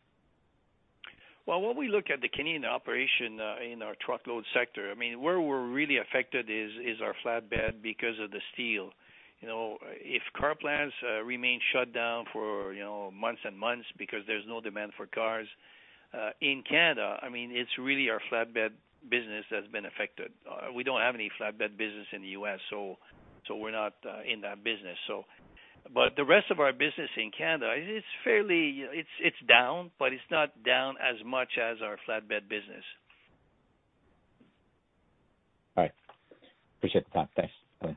Well, when we look at the Canadian operation in our Truckload sector, where we're really affected is our flatbed because of the steel. If car plants remain shut down for months and months because there's no demand for cars, in Canada, it's really our flatbed business that's been affected. We don't have any flatbed business in the U.S., so we're not in that business. The rest of our business in Canada, it's down, but it's not down as much as our flatbed business. All right. Appreciate the time. Thanks. Bye.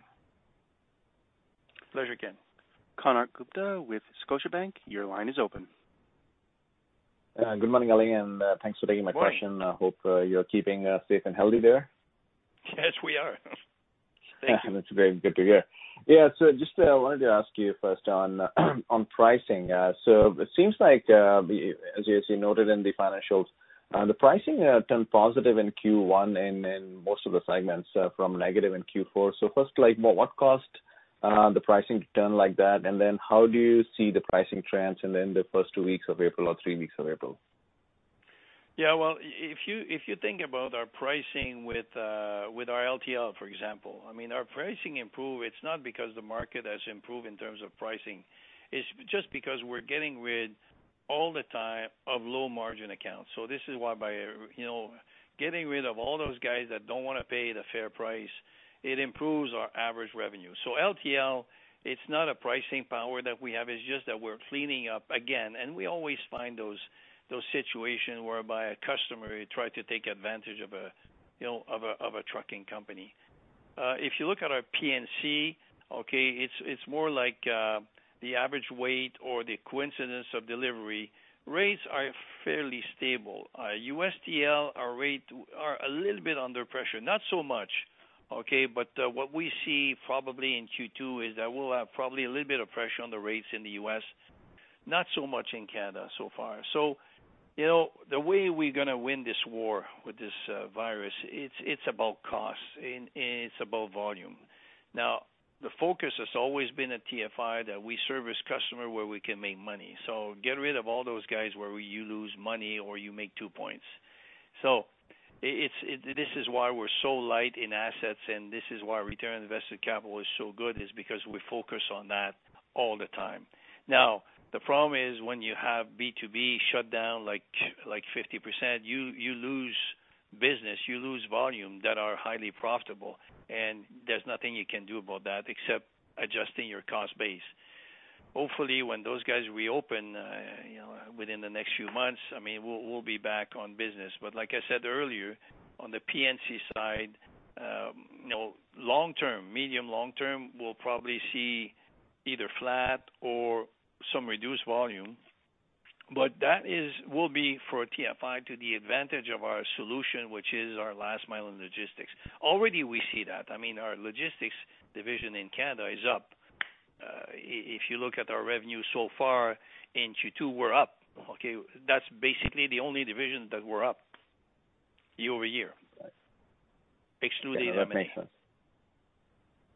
Pleasure again. Konark Gupta with Scotiabank. Your line is open. Good morning, Alain, and thanks for taking my question. Morning. I hope you're keeping safe and healthy there. Yes, we are. Thank you. That's very good to hear. Yeah. Just wanted to ask you first on pricing. It seems like, as you noted in the financials, the pricing turned positive in Q1 and in most of the segments from negative in Q4. First, what caused the pricing to turn like that, and then how do you see the pricing trends in the first two weeks of April or three weeks of April? Yeah. Well, if you think about our pricing with our LTL, for example. Our pricing improved, it's not because the market has improved in terms of pricing. It's just because we're getting rid all the time of low margin accounts. This is why by getting rid of all those guys that don't want to pay the fair price, it improves our average revenue. LTL, it's not a pricing power that we have, it's just that we're cleaning up again, and we always find those situations whereby a customer try to take advantage of a trucking company. If you look at our P&C, okay, it's more like the average weight or the coincidence of delivery. Rates are fairly stable. U.S. TL are a little bit under pressure, not so much, okay. What we see probably in Q2 is that we'll have probably a little bit of pressure on the rates in the U.S., not so much in Canada so far. The way we're going to win this war with this virus, it's about cost and it's about volume. The focus has always been at TFI that we service customer where we can make money. Get rid of all those guys where you lose money or you make two points. This is why we're so light in assets, and this is why return on invested capital is so good, is because we focus on that all the time. The problem is when you have B2B shut down like 50%, you lose business, you lose volume that are highly profitable, and there's nothing you can do about that except adjusting your cost base. Hopefully, when those guys reopen within the next few months, we'll be back on business. Like I said earlier, on the P&C side, medium, long-term, we'll probably see either flat or some reduced volume. That will be for TFI to the advantage of our solution, which is our Last Mile in Logistics. Already we see that. Our Logistics division in Canada is up. If you look at our revenue so far in Q2, we're up. Okay, that's basically the only division that we're up year-over-year. Exclude any M&A. That makes sense.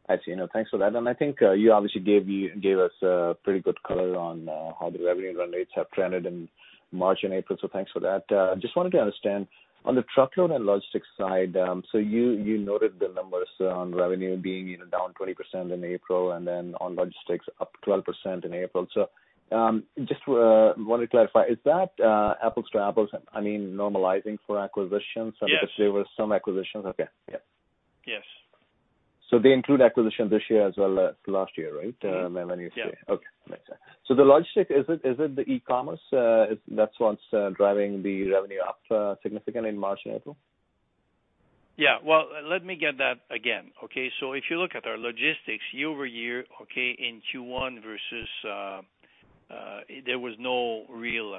I see. Thanks for that. I think you obviously gave us a pretty good color on how the revenue run rates have trended in March and April. Thanks for that. Just wanted to understand, on the Truckload and Logistics side, you noted the numbers on revenue being down 20% in April, on Logistics up 12% in April. Just want to clarify, is that apples to apples? Normalizing for acquisitions because there were some acquisitions. Okay. Yep. Yes. They include acquisitions this year as well as last year, right? Yeah. Okay. Makes sense. The Logistics, is it the e-commerce that is what is driving the revenue up significantly in March and April? Yeah. Well, let me get that again. Okay, if you look at our Logistics year-over-year, okay, in Q1 versus, there was no real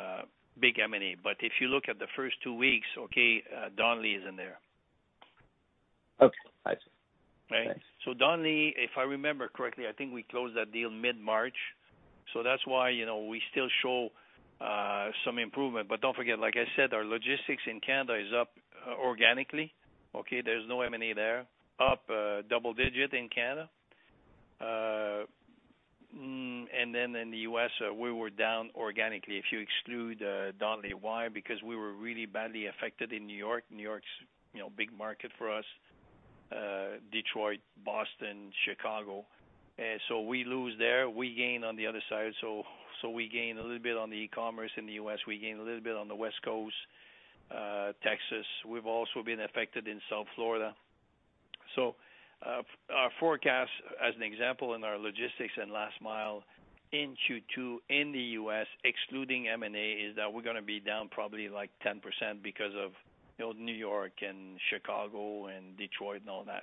big M&A. If you look at the first two weeks, okay, R.R. Donnelley is in there. Okay. I see. Right. Donnelley, if I remember correctly, I think we closed that deal mid-March, that's why we still show some improvement. Don't forget, like I said, our logistics in Canada is up organically. Okay? There's no M&A there. Up double-digit in Canada. In the U.S., we were down organically. If you exclude Donnelley. Why? Because we were really badly affected in New York. New York's a big market for us. Detroit, Boston, Chicago. We lose there, we gain on the other side. We gain a little bit on the e-commerce in the U.S. We gain a little bit on the West Coast, Texas. We've also been affected in South Florida. Our forecast, as an example, in our Logistics and Last Mile in Q2 in the U.S., excluding M&A, is that we're going to be down probably 10% because of New York and Chicago and Detroit and all that.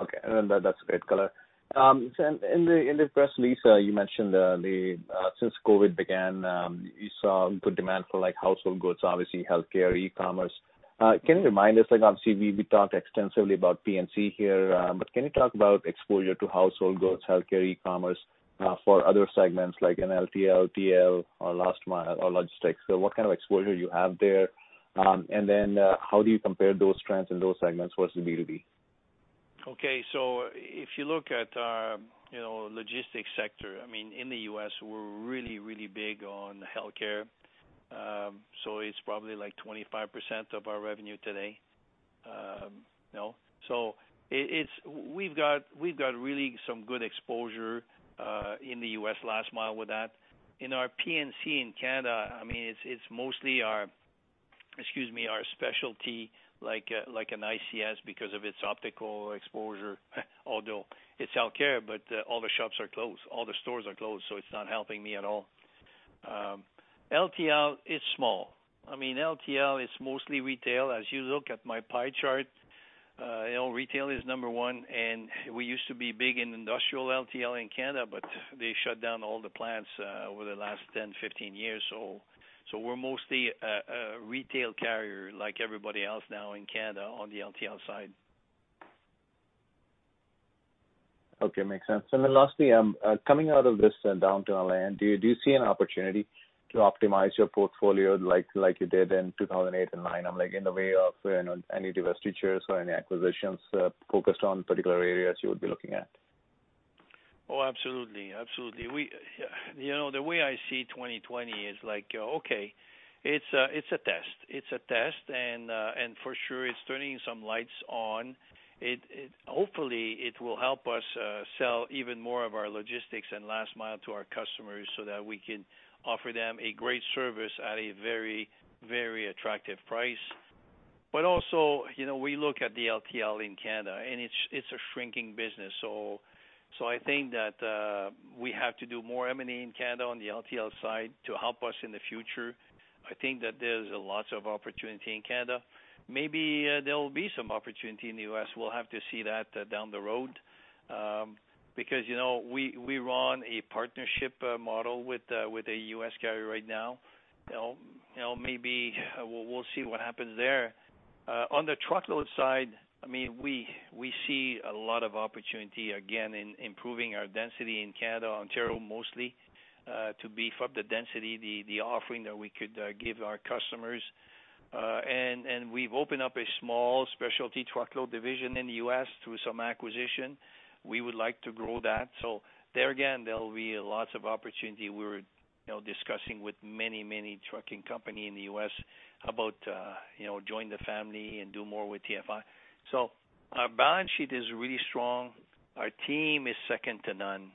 Okay. No, that's great color. In the press release, you mentioned since COVID began, you saw good demand for household goods, obviously healthcare, e-commerce. Can you remind us, obviously we talked extensively about P&C here, but can you talk about exposure to household goods, healthcare, e-commerce, for other segments like LTL, TL, or Last Mile or Logistics? What kind of exposure you have there, then how do you compare those trends in those segments versus B2B? Okay. If you look at our Logistics sector in the U.S., we're really, really big on healthcare. It's probably 25% of our revenue today. We've got really some good exposure in the U.S. Last Mile with that. In our P&C in Canada, it's mostly our specialty, like an ICS because of its optical exposure, although it's healthcare, but all the shops are closed, all the stores are closed, so it's not helping me at all. LTL is small. LTL is mostly retail. As you look at my pie chart, retail is number one, and we used to be big in industrial LTL in Canada, but they shut down all the plants over the last 10, 15 years. We're mostly a retail carrier like everybody else now in Canada on the LTL side. Okay, makes sense. Lastly, coming out of this downturn, Alain, do you see an opportunity to optimize your portfolio like you did in 2008 and 2009, in the way of any divestitures or any acquisitions focused on particular areas you would be looking at? Oh, absolutely. The way I see 2020 is like, okay, it's a test. It's a test. For sure it's turning some lights on. Hopefully, it will help us sell even more of our Logistics and Last Mile to our customers so that we can offer them a great service at a very, very attractive price. We look at the LTL in Canada, and it's a shrinking business. I think that we have to do more M&A in Canada on the LTL side to help us in the future. I think that there's lots of opportunity in Canada. Maybe there will be some opportunity in the U.S. We'll have to see that down the road. We run a partnership model with a U.S. carrier right now. Maybe we'll see what happens there. On the Truckload side, we see a lot of opportunity, again, in improving our density in Canada, Ontario mostly, to beef up the density, the offering that we could give our customers. We've opened up a small specialty Truckload division in the U.S. through some acquisition. We would like to grow that. There again, there will be lots of opportunity. We're discussing with many trucking company in the U.S. about join the family and do more with TFI. Our balance sheet is really strong. Our team is second to none.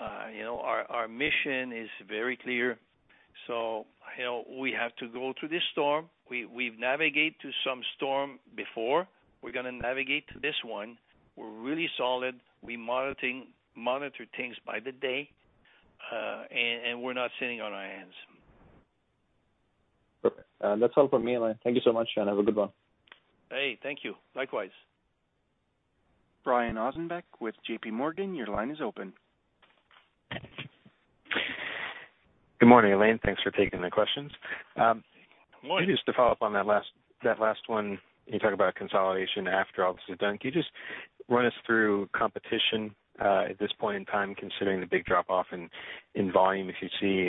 Our mission is very clear. We have to go through this storm. We've navigate through some storm before. We're going to navigate through this one. We're really solid. We monitor things by the day. We're not sitting on our hands. Perfect. That's all from me, Alain. Thank you so much and have a good one. Hey, thank you. Likewise. Brian Ossenbeck with JPMorgan, your line is open. Good morning, Alain. Thanks for taking the questions. Morning. Just to follow up on that last one, you talked about consolidation after all this is done. Can you just run us through competition at this point in time, considering the big drop-off in volume. If you see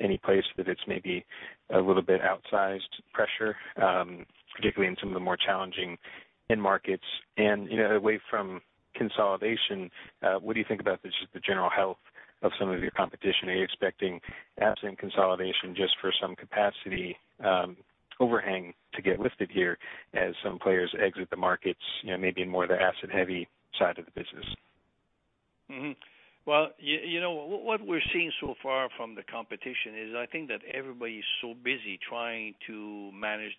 any place that it's maybe a little bit outsized pressure, particularly in some of the more challenging end markets. Away from consolidation, what do you think about just the general health of some of your competition? Are you expecting, absent consolidation, just for some capacity overhang to get lifted here as some players exit the markets, maybe more the asset-heavy side of the business? Well, what we're seeing so far from the competition is, I think that everybody's so busy trying to manage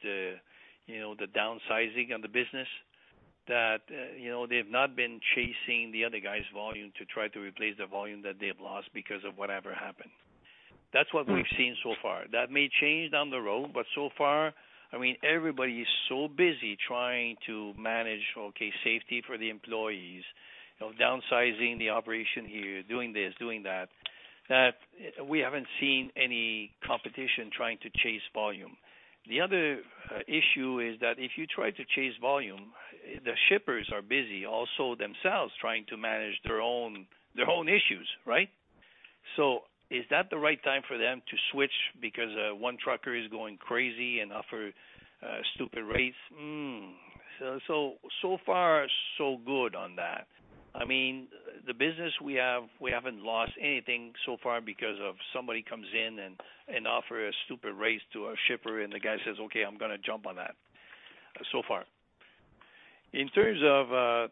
the downsizing of the business that they've not been chasing the other guy's volume to try to replace the volume that they've lost because of whatever happened. That's what we've seen so far. That may change down the road, so far, everybody is so busy trying to manage, okay, safety for the employees, downsizing the operation here, doing this, doing that we haven't seen any competition trying to chase volume. The other issue is that if you try to chase volume, the shippers are busy also themselves trying to manage their own issues, right? Is that the right time for them to switch because one trucker is going crazy and offer stupid rates? So far, so good on that. The business we have, we haven't lost anything so far because of somebody comes in and offer a stupid rate to our shipper and the guy says, "Okay, I'm going to jump on that." So far. In terms of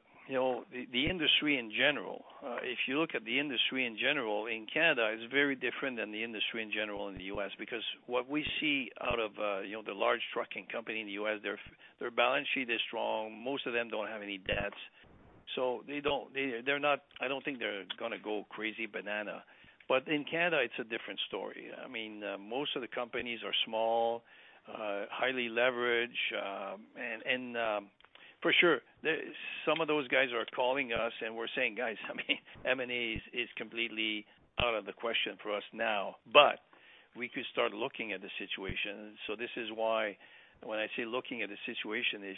the industry in general, if you look at the industry in general in Canada, it's very different than the industry in general in the U.S. because what we see out of the large trucking company in the U.S., their balance sheet is strong. Most of them don't have any debts. I don't think they're going to go crazy banana. In Canada, it's a different story. Most of the companies are small, highly leveraged. For sure, some of those guys are calling us and we're saying, "Guys, I mean, M&A is completely out of the question for us now." We could start looking at the situation. This is why when I say looking at the situation is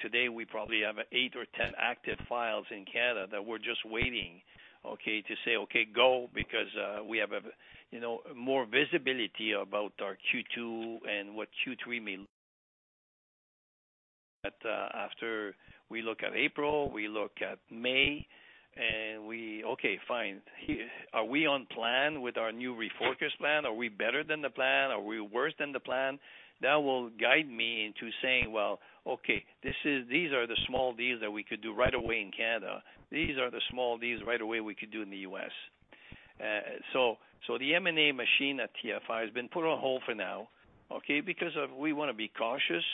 today we probably have eight or 10 active files in Canada that we're just waiting, okay, to say, okay, go because we have more visibility about our Q2 and what Q3 may look like. After we look at April, we look at May, and we, okay, fine. Are we on plan with our new refocused plan? Are we better than the plan? Are we worse than the plan? That will guide me into saying, well, okay, these are the small deals that we could do right away in Canada. These are the small deals right away we could do in the U.S. The M&A machine at TFI has been put on hold for now, okay, because we want to be cautious,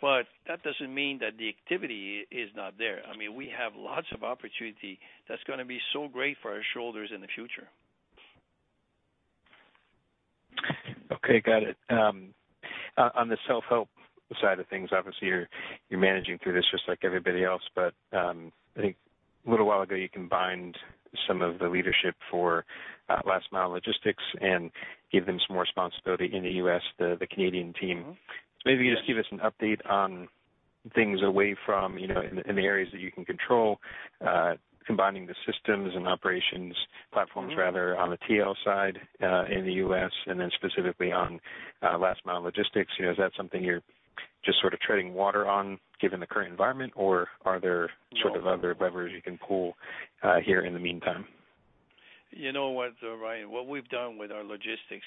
but that doesn't mean that the activity is not there. We have lots of opportunity that's going to be so great for our shareholders in the future. Okay, got it. On the self-help side of things, obviously, you're managing through this just like everybody else, I think a little while ago, you combined some of the leadership for Last Mile Logistics and gave them some more responsibility in the U.S., the Canadian team. Maybe you can just give us an update on things away from in the areas that you can control combining the systems and operations platforms rather on the TL side in the U.S. and then specifically on Last Mile Logistics. Is that something you're just sort of treading water on given the current environment or other levers you can pull here in the meantime? You know what, Brian, what we've done with our logistics,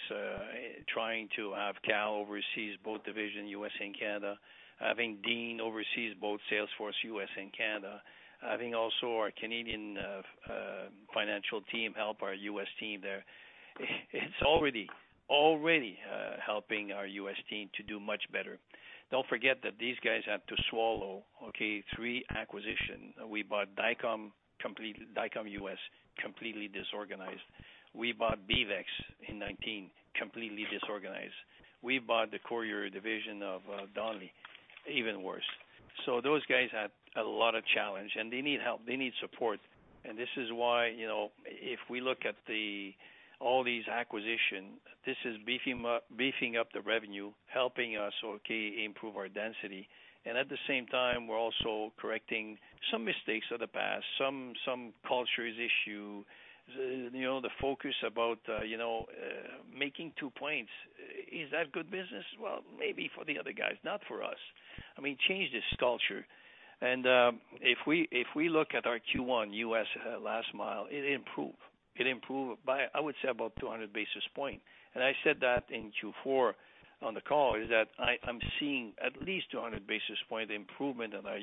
trying to have Kal overseas both division U.S. and Canada, having Dean overseas both salesforce U.S. and Canada, having also our Canadian financial team help our U.S. team there. It's already helping our U.S. team to do much better. Don't forget that these guys have to swallow, okay, three acquisition. We bought Dynamex U.S., completely disorganized. We bought BeavEx in 2019, completely disorganized. We bought the courier division of Donnelly, even worse. Those guys had a lot of challenge, and they need help. They need support. This is why if we look at all these acquisition, this is beefing up the revenue, helping us, okay, improve our density. At the same time, we're also correcting some mistakes of the past, some cultures issue, the focus about making two points. Is that good business? Well, maybe for the other guys, not for us. Change this culture. If we look at our Q1 U.S. Last Mile, it improved. It improved by, I would say, about 200 basis points. I said that in Q4 on the call, is that I'm seeing at least 200 basis points improvement in our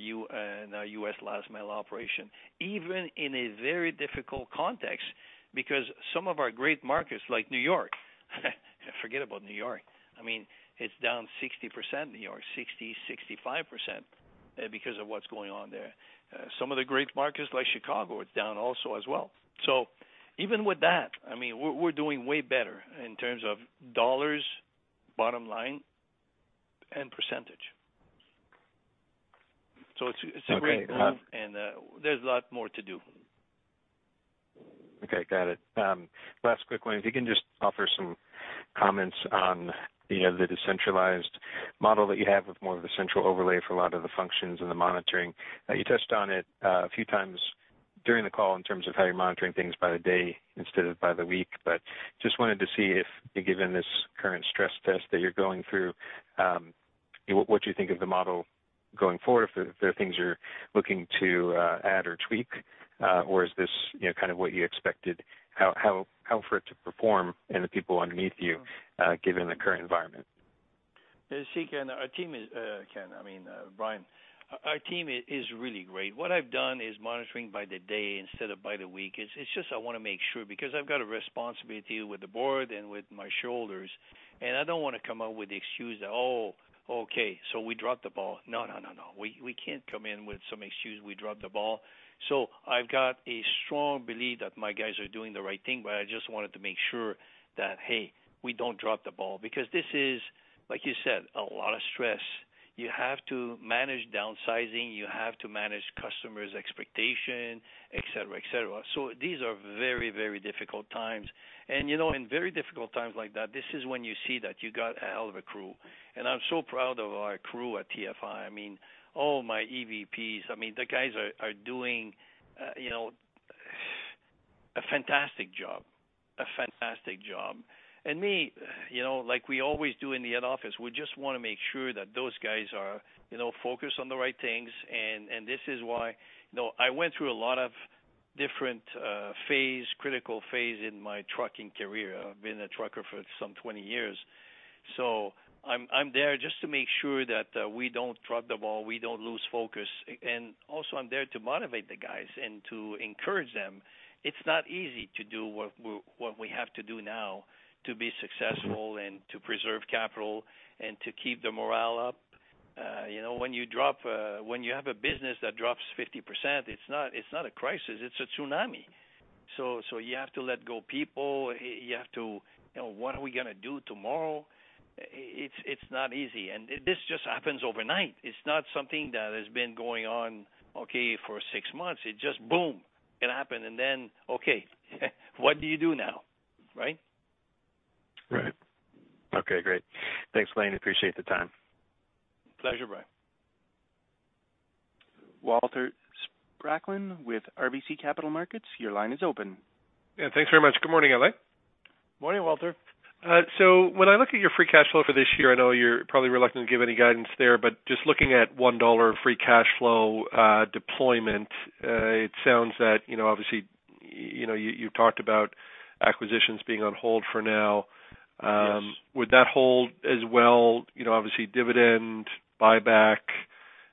U.S. Last Mile operation, even in a very difficult context, because some of our great markets like New York, forget about New York. It's down 60% in New York, 60%, 65% because of what's going on there. Some of the great markets like Chicago, it's down also as well. Even with that, we're doing way better in terms of dollars, bottom line, and percentage. It's a great move. There's a lot more to do Okay, got it. Last quick one, if you can just offer some comments on the decentralized model that you have with more of a central overlay for a lot of the functions and the monitoring. You touched on it a few times during the call in terms of how you're monitoring things by the day instead of by the week, just wanted to see if, given this current stress test that you're going through, what you think of the model going forward. If there are things you're looking to add or tweak, or is this what you expected out for it to perform and the people underneath you, given the current environment? Yeah, Brian, our team is really great. What I've done is monitoring by the day instead of by the week. It's just I want to make sure, because I've got a responsibility with the Board and with my shoulders, and I don't want to come out with the excuse that, "Oh, okay, so we dropped the ball." No, we can't come in with some excuse we dropped the ball. I've got a strong belief that my guys are doing the right thing, but I just wanted to make sure that, hey, we don't drop the ball because this is, like you said, a lot of stress. You have to manage downsizing, you have to manage customers' expectation, et cetera. These are very difficult times. In very difficult times like that, this is when you see that you got a hell of a crew, and I'm so proud of our crew at TFI. All my EVPs, the guys are doing a fantastic job. Me, like we always do in the head office, we just want to make sure that those guys are focused on the right things. This is why I went through a lot of different critical phase in my trucking career. I've been a trucker for some 20 years. I'm there just to make sure that we don't drop the ball, we don't lose focus. Also I'm there to motivate the guys and to encourage them. It's not easy to do what we have to do now to be successful and to preserve capital and to keep the morale up. When you have a business that drops 50%, it's not a crisis, it's a tsunami. You have to let go people, you have to, "What are we going to do tomorrow?" It's not easy, this just happens overnight. It's not something that has been going on, okay, for six months. It just, boom, it happened. Okay, what do you do now? Right? Right. Okay, great. Thanks, Alain. Appreciate the time. Pleasure, Brian. Walter Spracklin with RBC Capital Markets, your line is open. Yeah, thanks very much. Good morning, Alain. Morning, Walter. When I look at your free cash flow for this year, I know you're probably reluctant to give any guidance there, but just looking at 1 dollar of free cash flow deployment, it sounds that, obviously, you've talked about acquisitions being on hold for now. Would that hold as well, obviously dividend, buyback,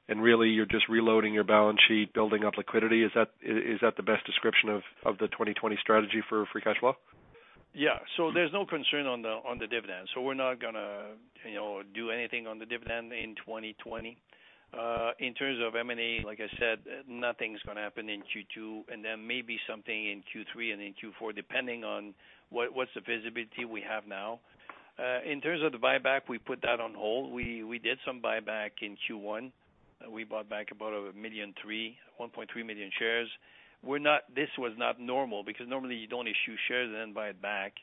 and really you're just reloading your balance sheet, building up liquidity? Is that the best description of the 2020 strategy for free cash flow? Yeah. There's no concern on the dividend. We're not going to do anything on the dividend in 2020. In terms of M&A, like I said, nothing's going to happen in Q2, and there may be something in Q3 and in Q4, depending on what's the visibility we have now. In terms of the buyback, we put that on hold. We did some buyback in Q1. We bought back about a million three, 1.3 million shares. This was not normal because normally you don't issue shares, then buy it back.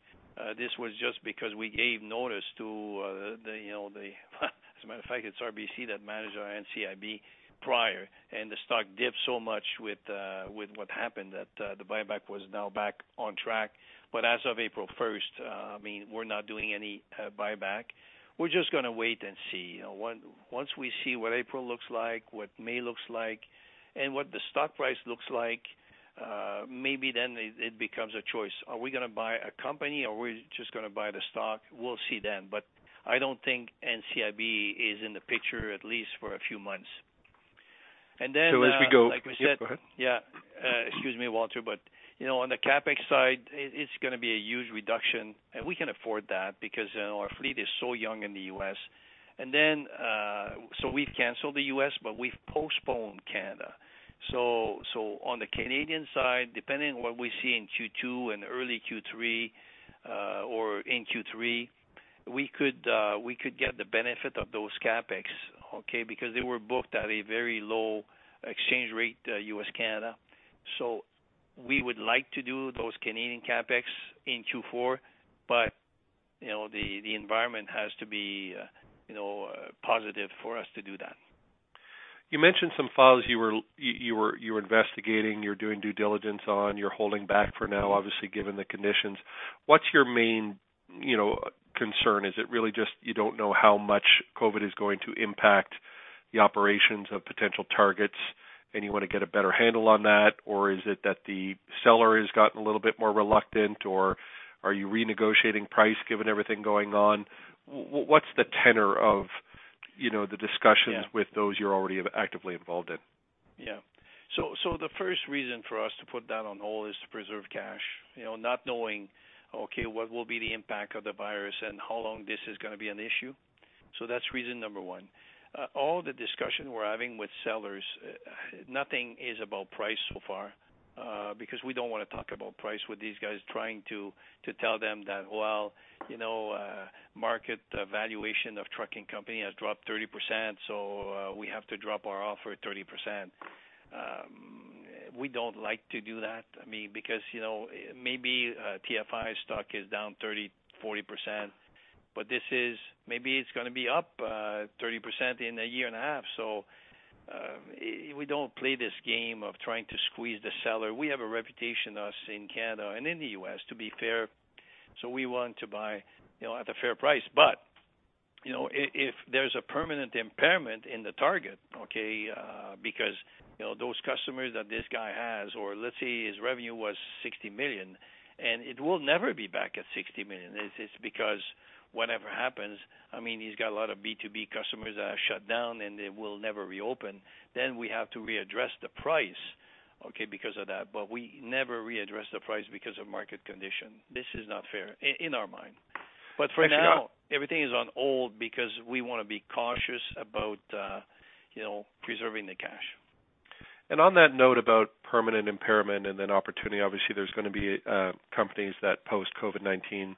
This was just because we gave notice. As a matter of fact, it's RBC that managed our NCIB prior, and the stock dipped so much with what happened that the buyback was now back on track. As of April 1st, we're not doing any buyback. We're just going to wait and see. Once we see what April looks like, what May looks like, and what the stock price looks like, maybe then it becomes a choice. Are we going to buy a company, or we're just going to buy the stock? We'll see then, but I don't think NCIB is in the picture, at least for a few months. So as we go- Like we said- Yeah, go ahead. Excuse me, Walter, but on the CapEx side, it's going to be a huge reduction, and we can afford that because our fleet is so young in the U.S. We've canceled the U.S., but we've postponed Canada. On the Canadian side, depending on what we see in Q2 and early Q3, or in Q3, we could get the benefit of those CapEx, okay? They were booked at a very low exchange rate, U.S., Canada. We would like to do those Canadian CapEx in Q4, but the environment has to be positive for us to do that. You mentioned some files you were investigating, you're doing due diligence on, you're holding back for now, obviously, given the conditions. What's your main concern? Is it really just you don't know how much COVID is going to impact the operations of potential targets, and you want to get a better handle on that? Is it that the seller has gotten a little bit more reluctant, or are you renegotiating price given everything going on? What's the tenor of the discussions with those you're already actively involved in? Yeah. The first reason for us to put that on hold is to preserve cash. Not knowing, okay, what will be the impact of the virus and how long this is going to be an issue. All the discussion we're having with sellers, nothing is about price so far, because we don't want to talk about price with these guys trying to tell them that, "Well, market valuation of trucking company has dropped 30%, so we have to drop our offer 30%." We don't like to do that. Because maybe TFI stock is down 30%, 40%, but maybe it's going to be up 30% in a year and a half. We don't play this game of trying to squeeze the seller. We have a reputation, us in Canada and in the U.S., to be fair, so we want to buy at a fair price. If there's a permanent impairment in the target, because those customers that this guy has, or let's say his revenue was 60 million, and it will never be back at 60 million. It's because whatever happens, he's got a lot of B2B customers that are shut down and they will never reopen. We have to readdress the price because of that. We never readdress the price because of market condition. This is not fair in our mind. For now, everything is on hold because we want to be cautious about preserving the cash. On that note about permanent impairment and then opportunity. Obviously, there's going to be companies that post-COVID-19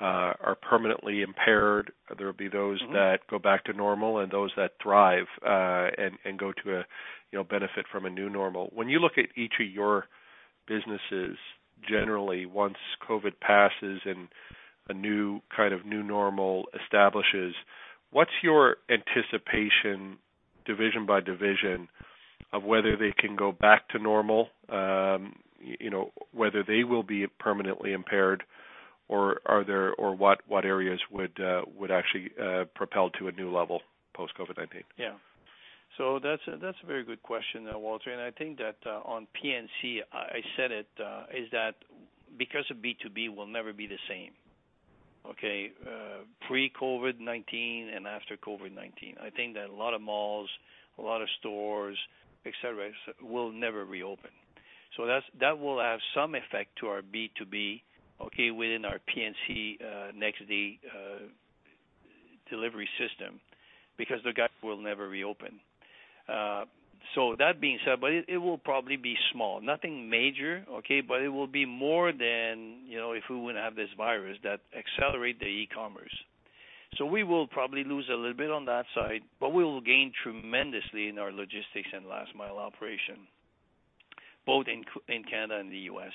are permanently impaired. There'll be those that go back to normal and those that thrive and go to benefit from a new normal. When you look at each of your businesses, generally once COVID passes and a new kind of new normal establishes, what's your anticipation, division by division, of whether they can go back to normal, whether they will be permanently impaired or what areas would actually propel to a new level post-COVID-19? That's a very good question there, Walter, I think that on P&C, I said it, is that because of B2B will never be the same pre-COVID-19 and after COVID-19. I think that a lot of malls, a lot of stores, et cetera, will never reopen. That will have some effect to our B2B within our PNC next day delivery system, because the guys will never reopen. That being said, it will probably be small, nothing major. It will be more than if we wouldn't have this virus that accelerate the e-commerce. We will probably lose a little bit on that side, we will gain tremendously in our Logistics and Last Mile operation, both in Canada and the U.S.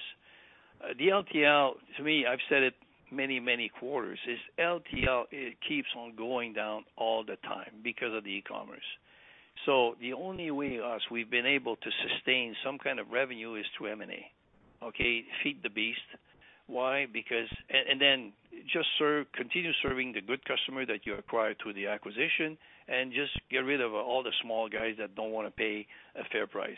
The LTL, to me, I've said it many, many quarters, is LTL it keeps on going down all the time because of the e-commerce. The only way us we've been able to sustain some kind of revenue is through M&A. Feed the beast. Why? Then just continue serving the good customer that you acquired through the acquisition and just get rid of all the small guys that don't want to pay a fair price.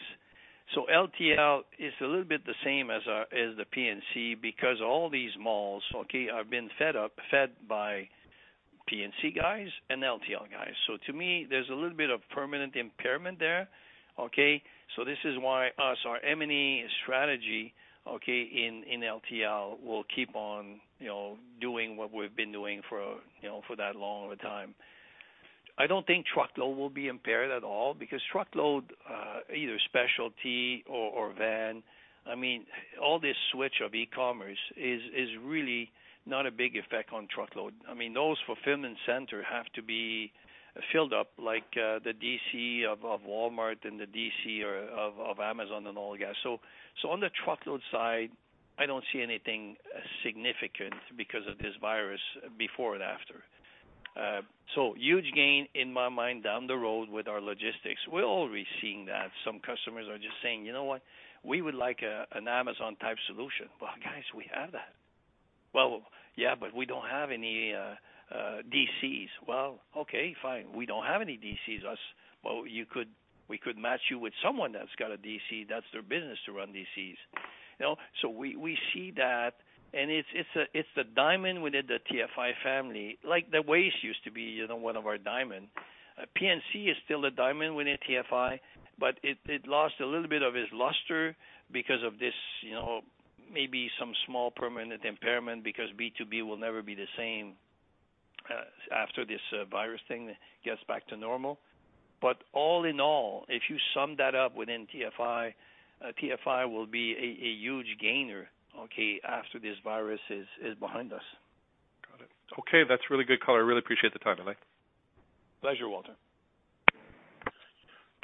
LTL is a little bit the same as the P&C because all these malls have been fed by P&C guys and LTL guys. To me, there's a little bit of permanent impairment there. This is why us, our M&A strategy in LTL will keep on doing what we've been doing for that long of a time. I don't think Truckload will be impaired at all because Truckload, either specialty or van, all this switch of e-commerce is really not a big effect on Truckload. Those fulfillment center have to be filled up like the DC of Walmart and the DC of Amazon and all the guys. On the Truckload side, I don't see anything significant because of this virus before and after. Huge gain in my mind down the road with our logistics. We're already seeing that. Some customers are just saying, "You know what? We would like an Amazon type solution." "Well, guys, we have that." "Well, yeah, but we don't have any DCs." "Well, okay, fine. We don't have any DCs us, but we could match you with someone that's got a DC. That's their business to run DCs." We see that, and it's the diamond within the TFI family. Like the P&C used to be one of our diamond. P&C is still a diamond within TFI, but it lost a little bit of its luster because of this maybe some small permanent impairment because B2B will never be the same after this virus thing gets back to normal. All in all, if you sum that up within TFI will be a huge gainer after this virus is behind us. Got it. Okay. That's really good, color. I really appreciate the time today. Pleasure, Walter.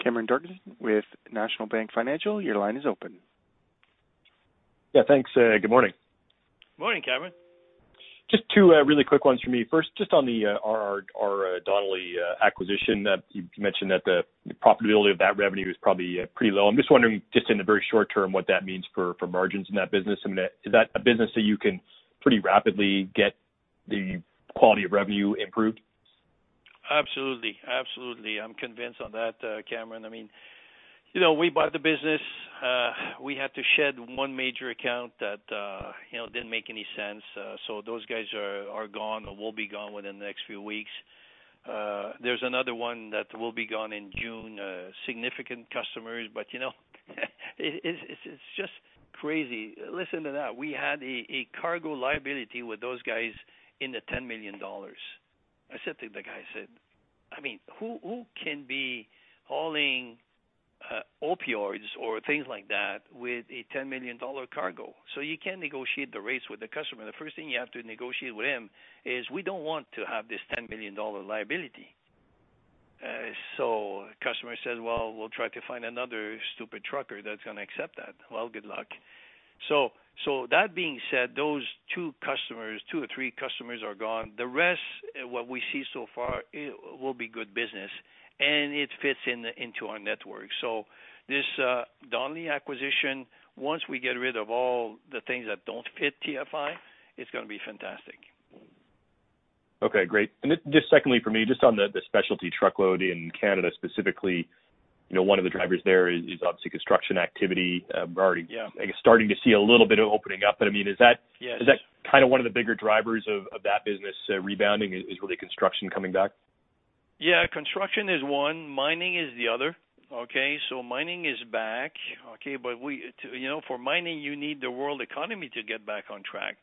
Cameron Doerksen with National Bank Financial, your line is open. Yeah, thanks. Good morning. Morning, Cameron. Just two really quick ones for me. First, just on our Donnelley acquisition. You mentioned that the profitability of that revenue is probably pretty low. I'm just wondering, just in the very short-term, what that means for margins in that business. Is that a business that you can pretty rapidly get the quality of revenue improved? Absolutely. I'm convinced on that, Cameron. We bought the business. We had to shed one major account that didn't make any sense. Those guys are gone or will be gone within the next few weeks. There's another one that will be gone in June, significant customers, but it's just crazy. Listen to that. We had a cargo liability with those guys in 10 million dollars. I said to the guy, I said, "Who can be hauling opioids or things like that with a 10 million dollar cargo?" You can't negotiate the rates with the customer. The first thing you have to negotiate with him is we don't want to have this 10 million dollar liability. Customer says, "Well, we'll try to find another stupid trucker that's going to accept that." Well, good luck. That being said, those two or three customers are gone. The rest, what we see so far will be good business, and it fits into our network. This Donnelley acquisition, once we get rid of all the things that don't fit TFI, it's going to be fantastic. Just secondly for me, just on the Specialty Truckload in Canada specifically, one of the drivers there is obviously construction activity starting to see a little bit of opening up. Is that, is that one of the bigger drivers of that business rebounding is really construction coming back? Construction is one. Mining is the other. Mining is back. For mining, you need the world economy to get back on track.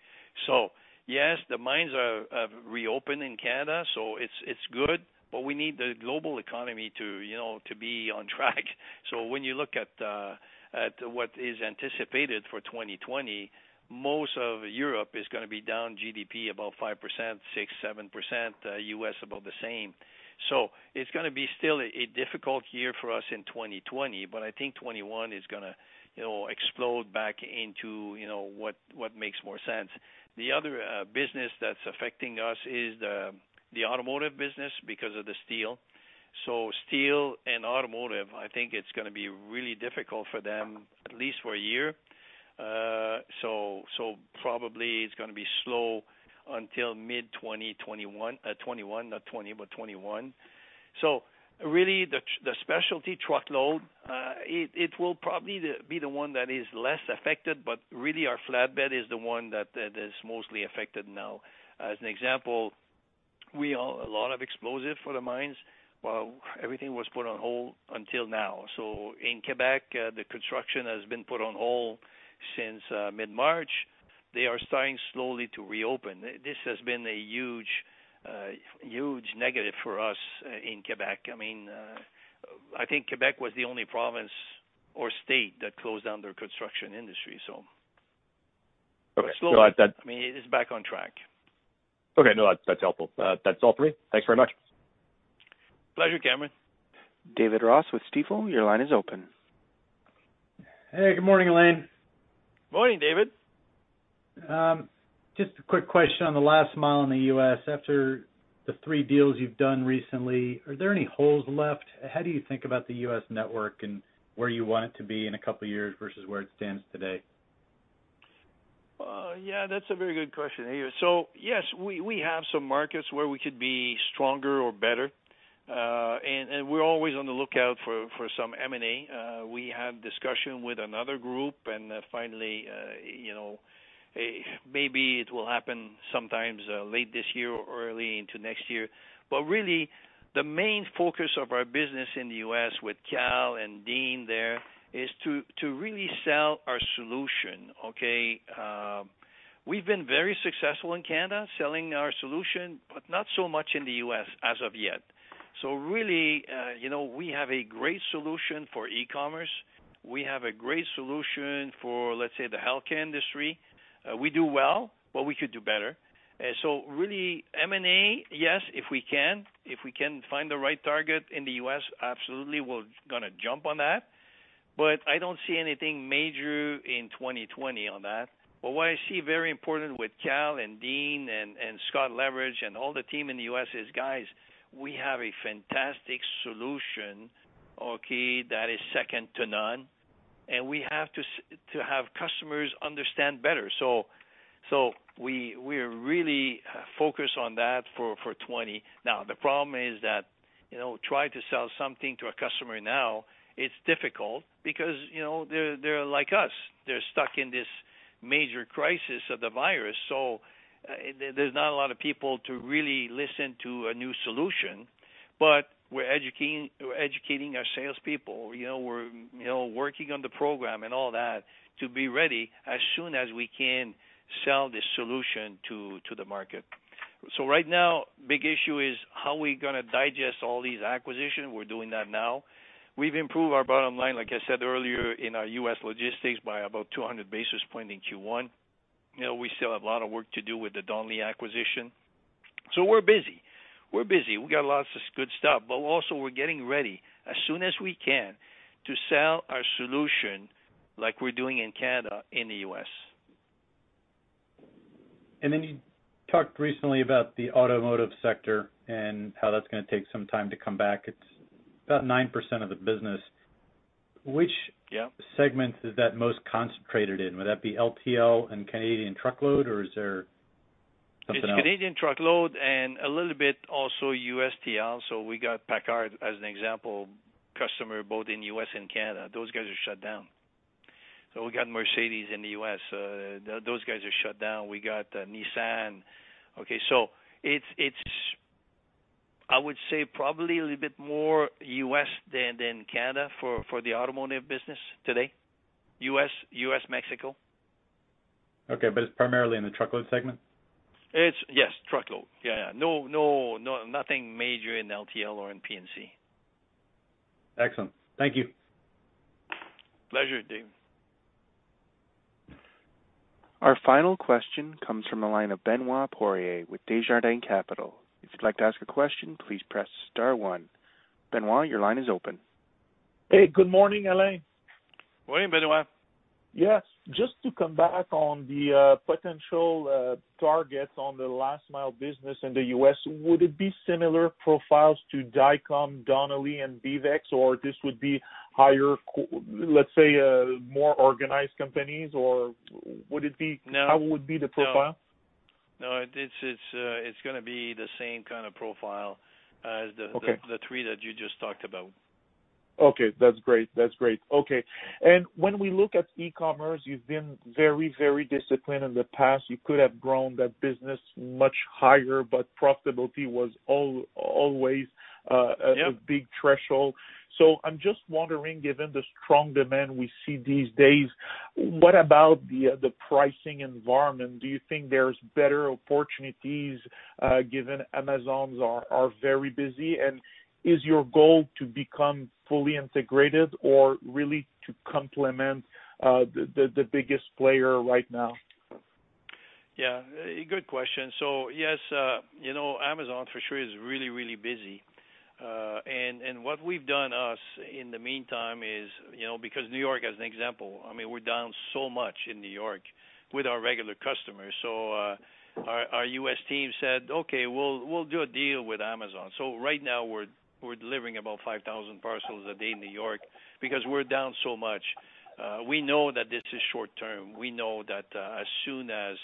Yes, the mines are reopen in Canada, so it's good, but we need the global economy to be on track. When you look at what is anticipated for 2020, most of Europe is going to be down GDP about 5%, 6%, 7%, U.S. about the same. It's going to be still a difficult year for us in 2020, but I think 2021 is going to explode back into what makes more sense. The other business that's affecting us is the Automotive business because of the steel. Steel and automotive, I think it's going to be really difficult for them, at least for a year. Probably it's going to be slow until mid-2021. Not 2020, but 2021. Really the Specialty Truckload, it will probably be the one that is less affected, but really our flatbed is the one that is mostly affected now. As an example, we own a lot of explosive for the mines. Everything was put on hold until now. In Quebec, the construction has been put on hold since mid-March. They are starting slowly to reopen. This has been a huge negative for us in Quebec. I think Quebec was the only province or state that closed down their construction industry. Okay. No. Slowly, it is back on track. Okay. No, that's helpful. That's all for me. Thanks very much. Pleasure, Cameron. David Ross with Stifel, your line is open. Hey, good morning, Alain. Morning, David. Just a quick question on the Last Mile in the U.S. after the three deals you've done recently, are there any holes left? How do you think about the U.S. network and where you want it to be in a couple of years versus where it stands today? Yeah, that's a very good question. Yes, we have some markets where we could be stronger or better. We're always on the lookout for some M&A. We have discussion with another group and finally maybe it will happen sometimes late this year or early into next year. Really the main focus of our business in the U.S. with Kal and Dean there is to really sell our solution. Okay. We've been very successful in Canada selling our solution, but not so much in the U.S. as of yet. Really, we have a great solution for e-commerce. We have a great solution for, let's say, the healthcare industry. We do well, but we could do better. Really, M&A, yes, if we can find the right target in the U.S., absolutely, we'll going to jump on that. I don't see anything major in 2020 on that. What I see very important with Kal and Dean and Scott Leveridge and all the team in the U.S. is, guys, we have a fantastic solution, okay, that is second to none, and we have to have customers understand better. We are really focused on that for 2020. The problem is that, try to sell something to a customer now, it's difficult because they're like us. They're stuck in this major crisis of the virus, so there's not a lot of people to really listen to a new solution. We're educating our salespeople. We're working on the program and all that to be ready as soon as we can sell this solution to the market. Right now, big issue is how we going to digest all these acquisitions. We're doing that now. We've improved our bottom line, like I said earlier, in our U.S. Logistics by about 200 basis points in Q1. We still have a lot of work to do with the Donnelley acquisition. We're busy. We got lots of good stuff, also we're getting ready as soon as we can to sell our solution like we're doing in Canada, in the U.S. You talked recently about the Automotive sector and how that's going to take some time to come back. It's about 9% of the business. Which segment is that most concentrated in? Would that be LTL and Canadian Truckload, or is there something else? It's Canadian Truckload and a little bit also U.S. TL. We got PACCAR as an example, customer both in U.S. and Canada. Those guys are shut down. We got Mercedes-Benz in the U.S. Those guys are shut down. We got Nissan. Okay. It's, I would say, probably a little bit more U.S. than Canada for the Automotive business today. U.S., Mexico. Okay. It's primarily in the Truckload segment? It's Yes, Truckload. Yeah. Nothing major in LTL or in P&C. Excellent. Thank you. Pleasure, Dave. Our final question comes from the line of Benoit Poirier with Desjardins Capital. If you'd like to ask a question, please press star one. Benoit, your line is open. Hey, good morning, Alain. Morning, Benoit. Yes. Just to come back on the potential targets on the Last Mile business in the U.S., would it be similar profiles to Dynamex, Donnelly, and BeavEx, or this would be, let's say, more organized companies, or how would be the profile? No. It's going to be the same kind of profile the three that you just talked about. Okay. That's great. Okay. When we look at e-commerce, you've been very disciplined in the past. You could have grown that business much higher, profitability was always a big threshold. I'm just wondering, given the strong demand we see these days, what about the pricing environment? Do you think there's better opportunities, given Amazon are very busy, and is your goal to become fully integrated or really to complement the biggest player right now? A good question. Yes, Amazon for sure is really, really busy. What we've done, us, in the meantime is, because New York as an example, we're down so much in New York with our regular customers, our U.S. team said, "Okay, we'll do a deal with Amazon." Right now we're delivering about 5,000 parcels a day in New York because we're down so much. We know that this is short-term. We know that as soon as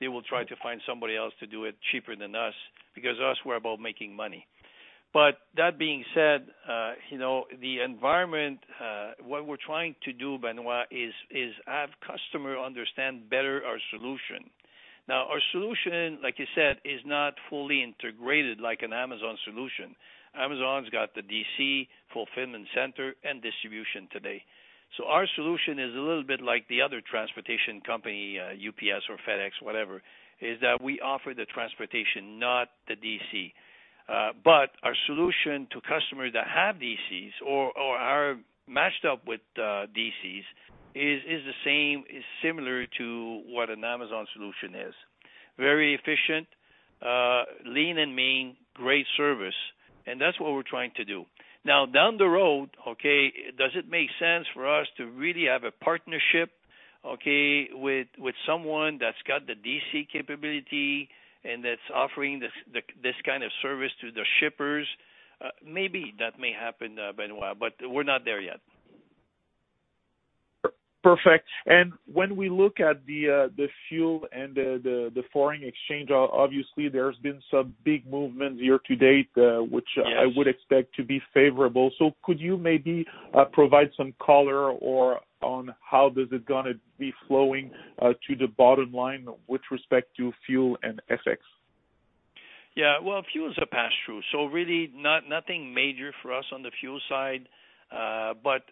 they will try to find somebody else to do it cheaper than us, because us, we're about making money. That being said, the environment, what we're trying to do, Benoit, is have customer understand better our solution. Our solution, like you said, is not fully integrated like an Amazon solution. Amazon's got the DC fulfillment center and distribution today. Our solution is a little bit like the other transportation company, UPS or FedEx, whatever, is that we offer the transportation, not the DC. Our solution to customers that have DCs or are matched up with DCs is similar to what an Amazon solution is. Very efficient, lean and mean, great service, and that's what we're trying to do. Down the road, okay, does it make sense for us to really have a partnership, okay, with someone that's got the DC capability and that's offering this kind of service to the shippers? Maybe that may happen, Benoit, but we're not there yet. Perfect. When we look at the fuel and the foreign exchange, obviously there's been some big movement year to date which I would expect to be favorable. Could you maybe provide some color or on how is it going to be flowing to the bottom line with respect to fuel and FX? Fuel's a pass-through, so really nothing major for us on the fuel side.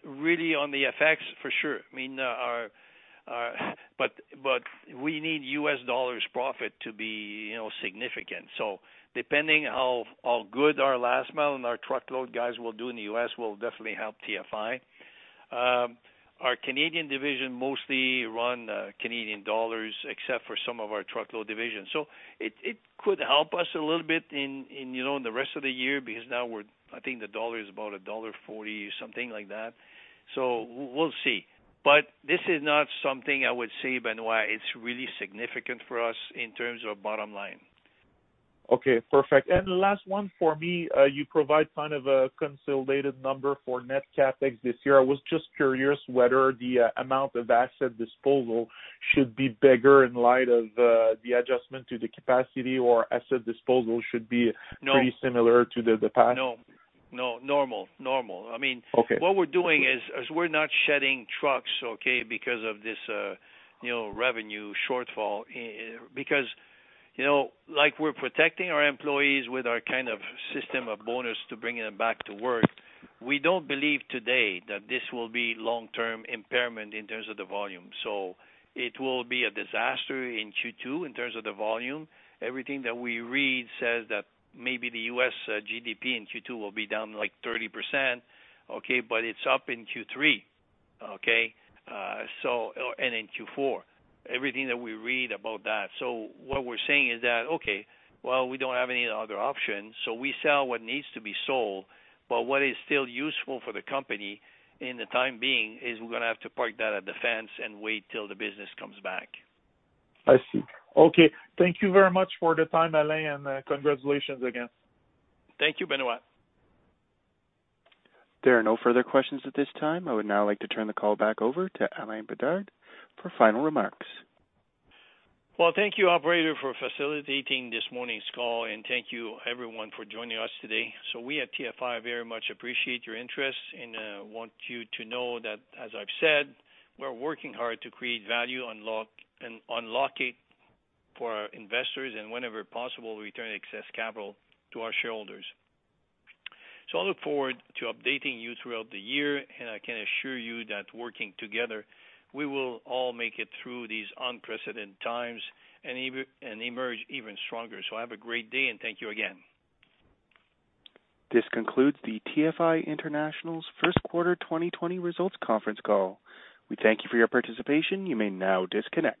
Really on the FX, for sure. We need U.S. dollars profit to be significant. Depending how good our Last Mile and our Truckload guys will do in the U.S. will definitely help TFI. Our Canadian division mostly run Canadian dollars, except for some of our Truckload division. It could help us a little bit in the rest of the year because now I think the dollar is about dollar 1.40, something like that, so we'll see. This is not something I would say, Benoit, it's really significant for us in terms of bottom line. Okay, perfect. The last one for me, you provide a consolidated number for net CapEx this year. I was just curious whether the amount of asset disposal should be bigger in light of the adjustment to the capacity pretty similar to the past? No. Normal. Okay. What we're doing is we're not shedding trucks, okay, because of this revenue shortfall. Like we're protecting our employees with our system of bonus to bring it back to work, we don't believe today that this will be long-term impairment in terms of the volume. It will be a disaster in Q2 in terms of the volume. Everything that we read says that maybe the U.S. GDP in Q2 will be down like 30%, okay, but it's up in Q3. Okay. In Q4. Everything that we read about that. What we're saying is that, okay, well, we don't have any other options, so we sell what needs to be sold, but what is still useful for the company in the time being is we're going to have to park that at the fence and wait till the business comes back. I see. Okay. Thank you very much for the time, Alain, and congratulations again. Thank you, Benoit. There are no further questions at this time. I would now like to turn the call back over to Alain Bédard for final remarks. Well, thank you, operator, for facilitating this morning's call, and thank you everyone for joining us today. We at TFI International very much appreciate your interest and want you to know that, as I've said, we're working hard to create value and unlock it for our investors, and whenever possible, return excess capital to our shareholders. I look forward to updating you throughout the year, and I can assure you that working together, we will all make it through these unprecedented times and emerge even stronger. Have a great day, and thank you again. This concludes the TFI International's First Quarter 2020 Results Conference Call. We thank you for your participation. You may now disconnect.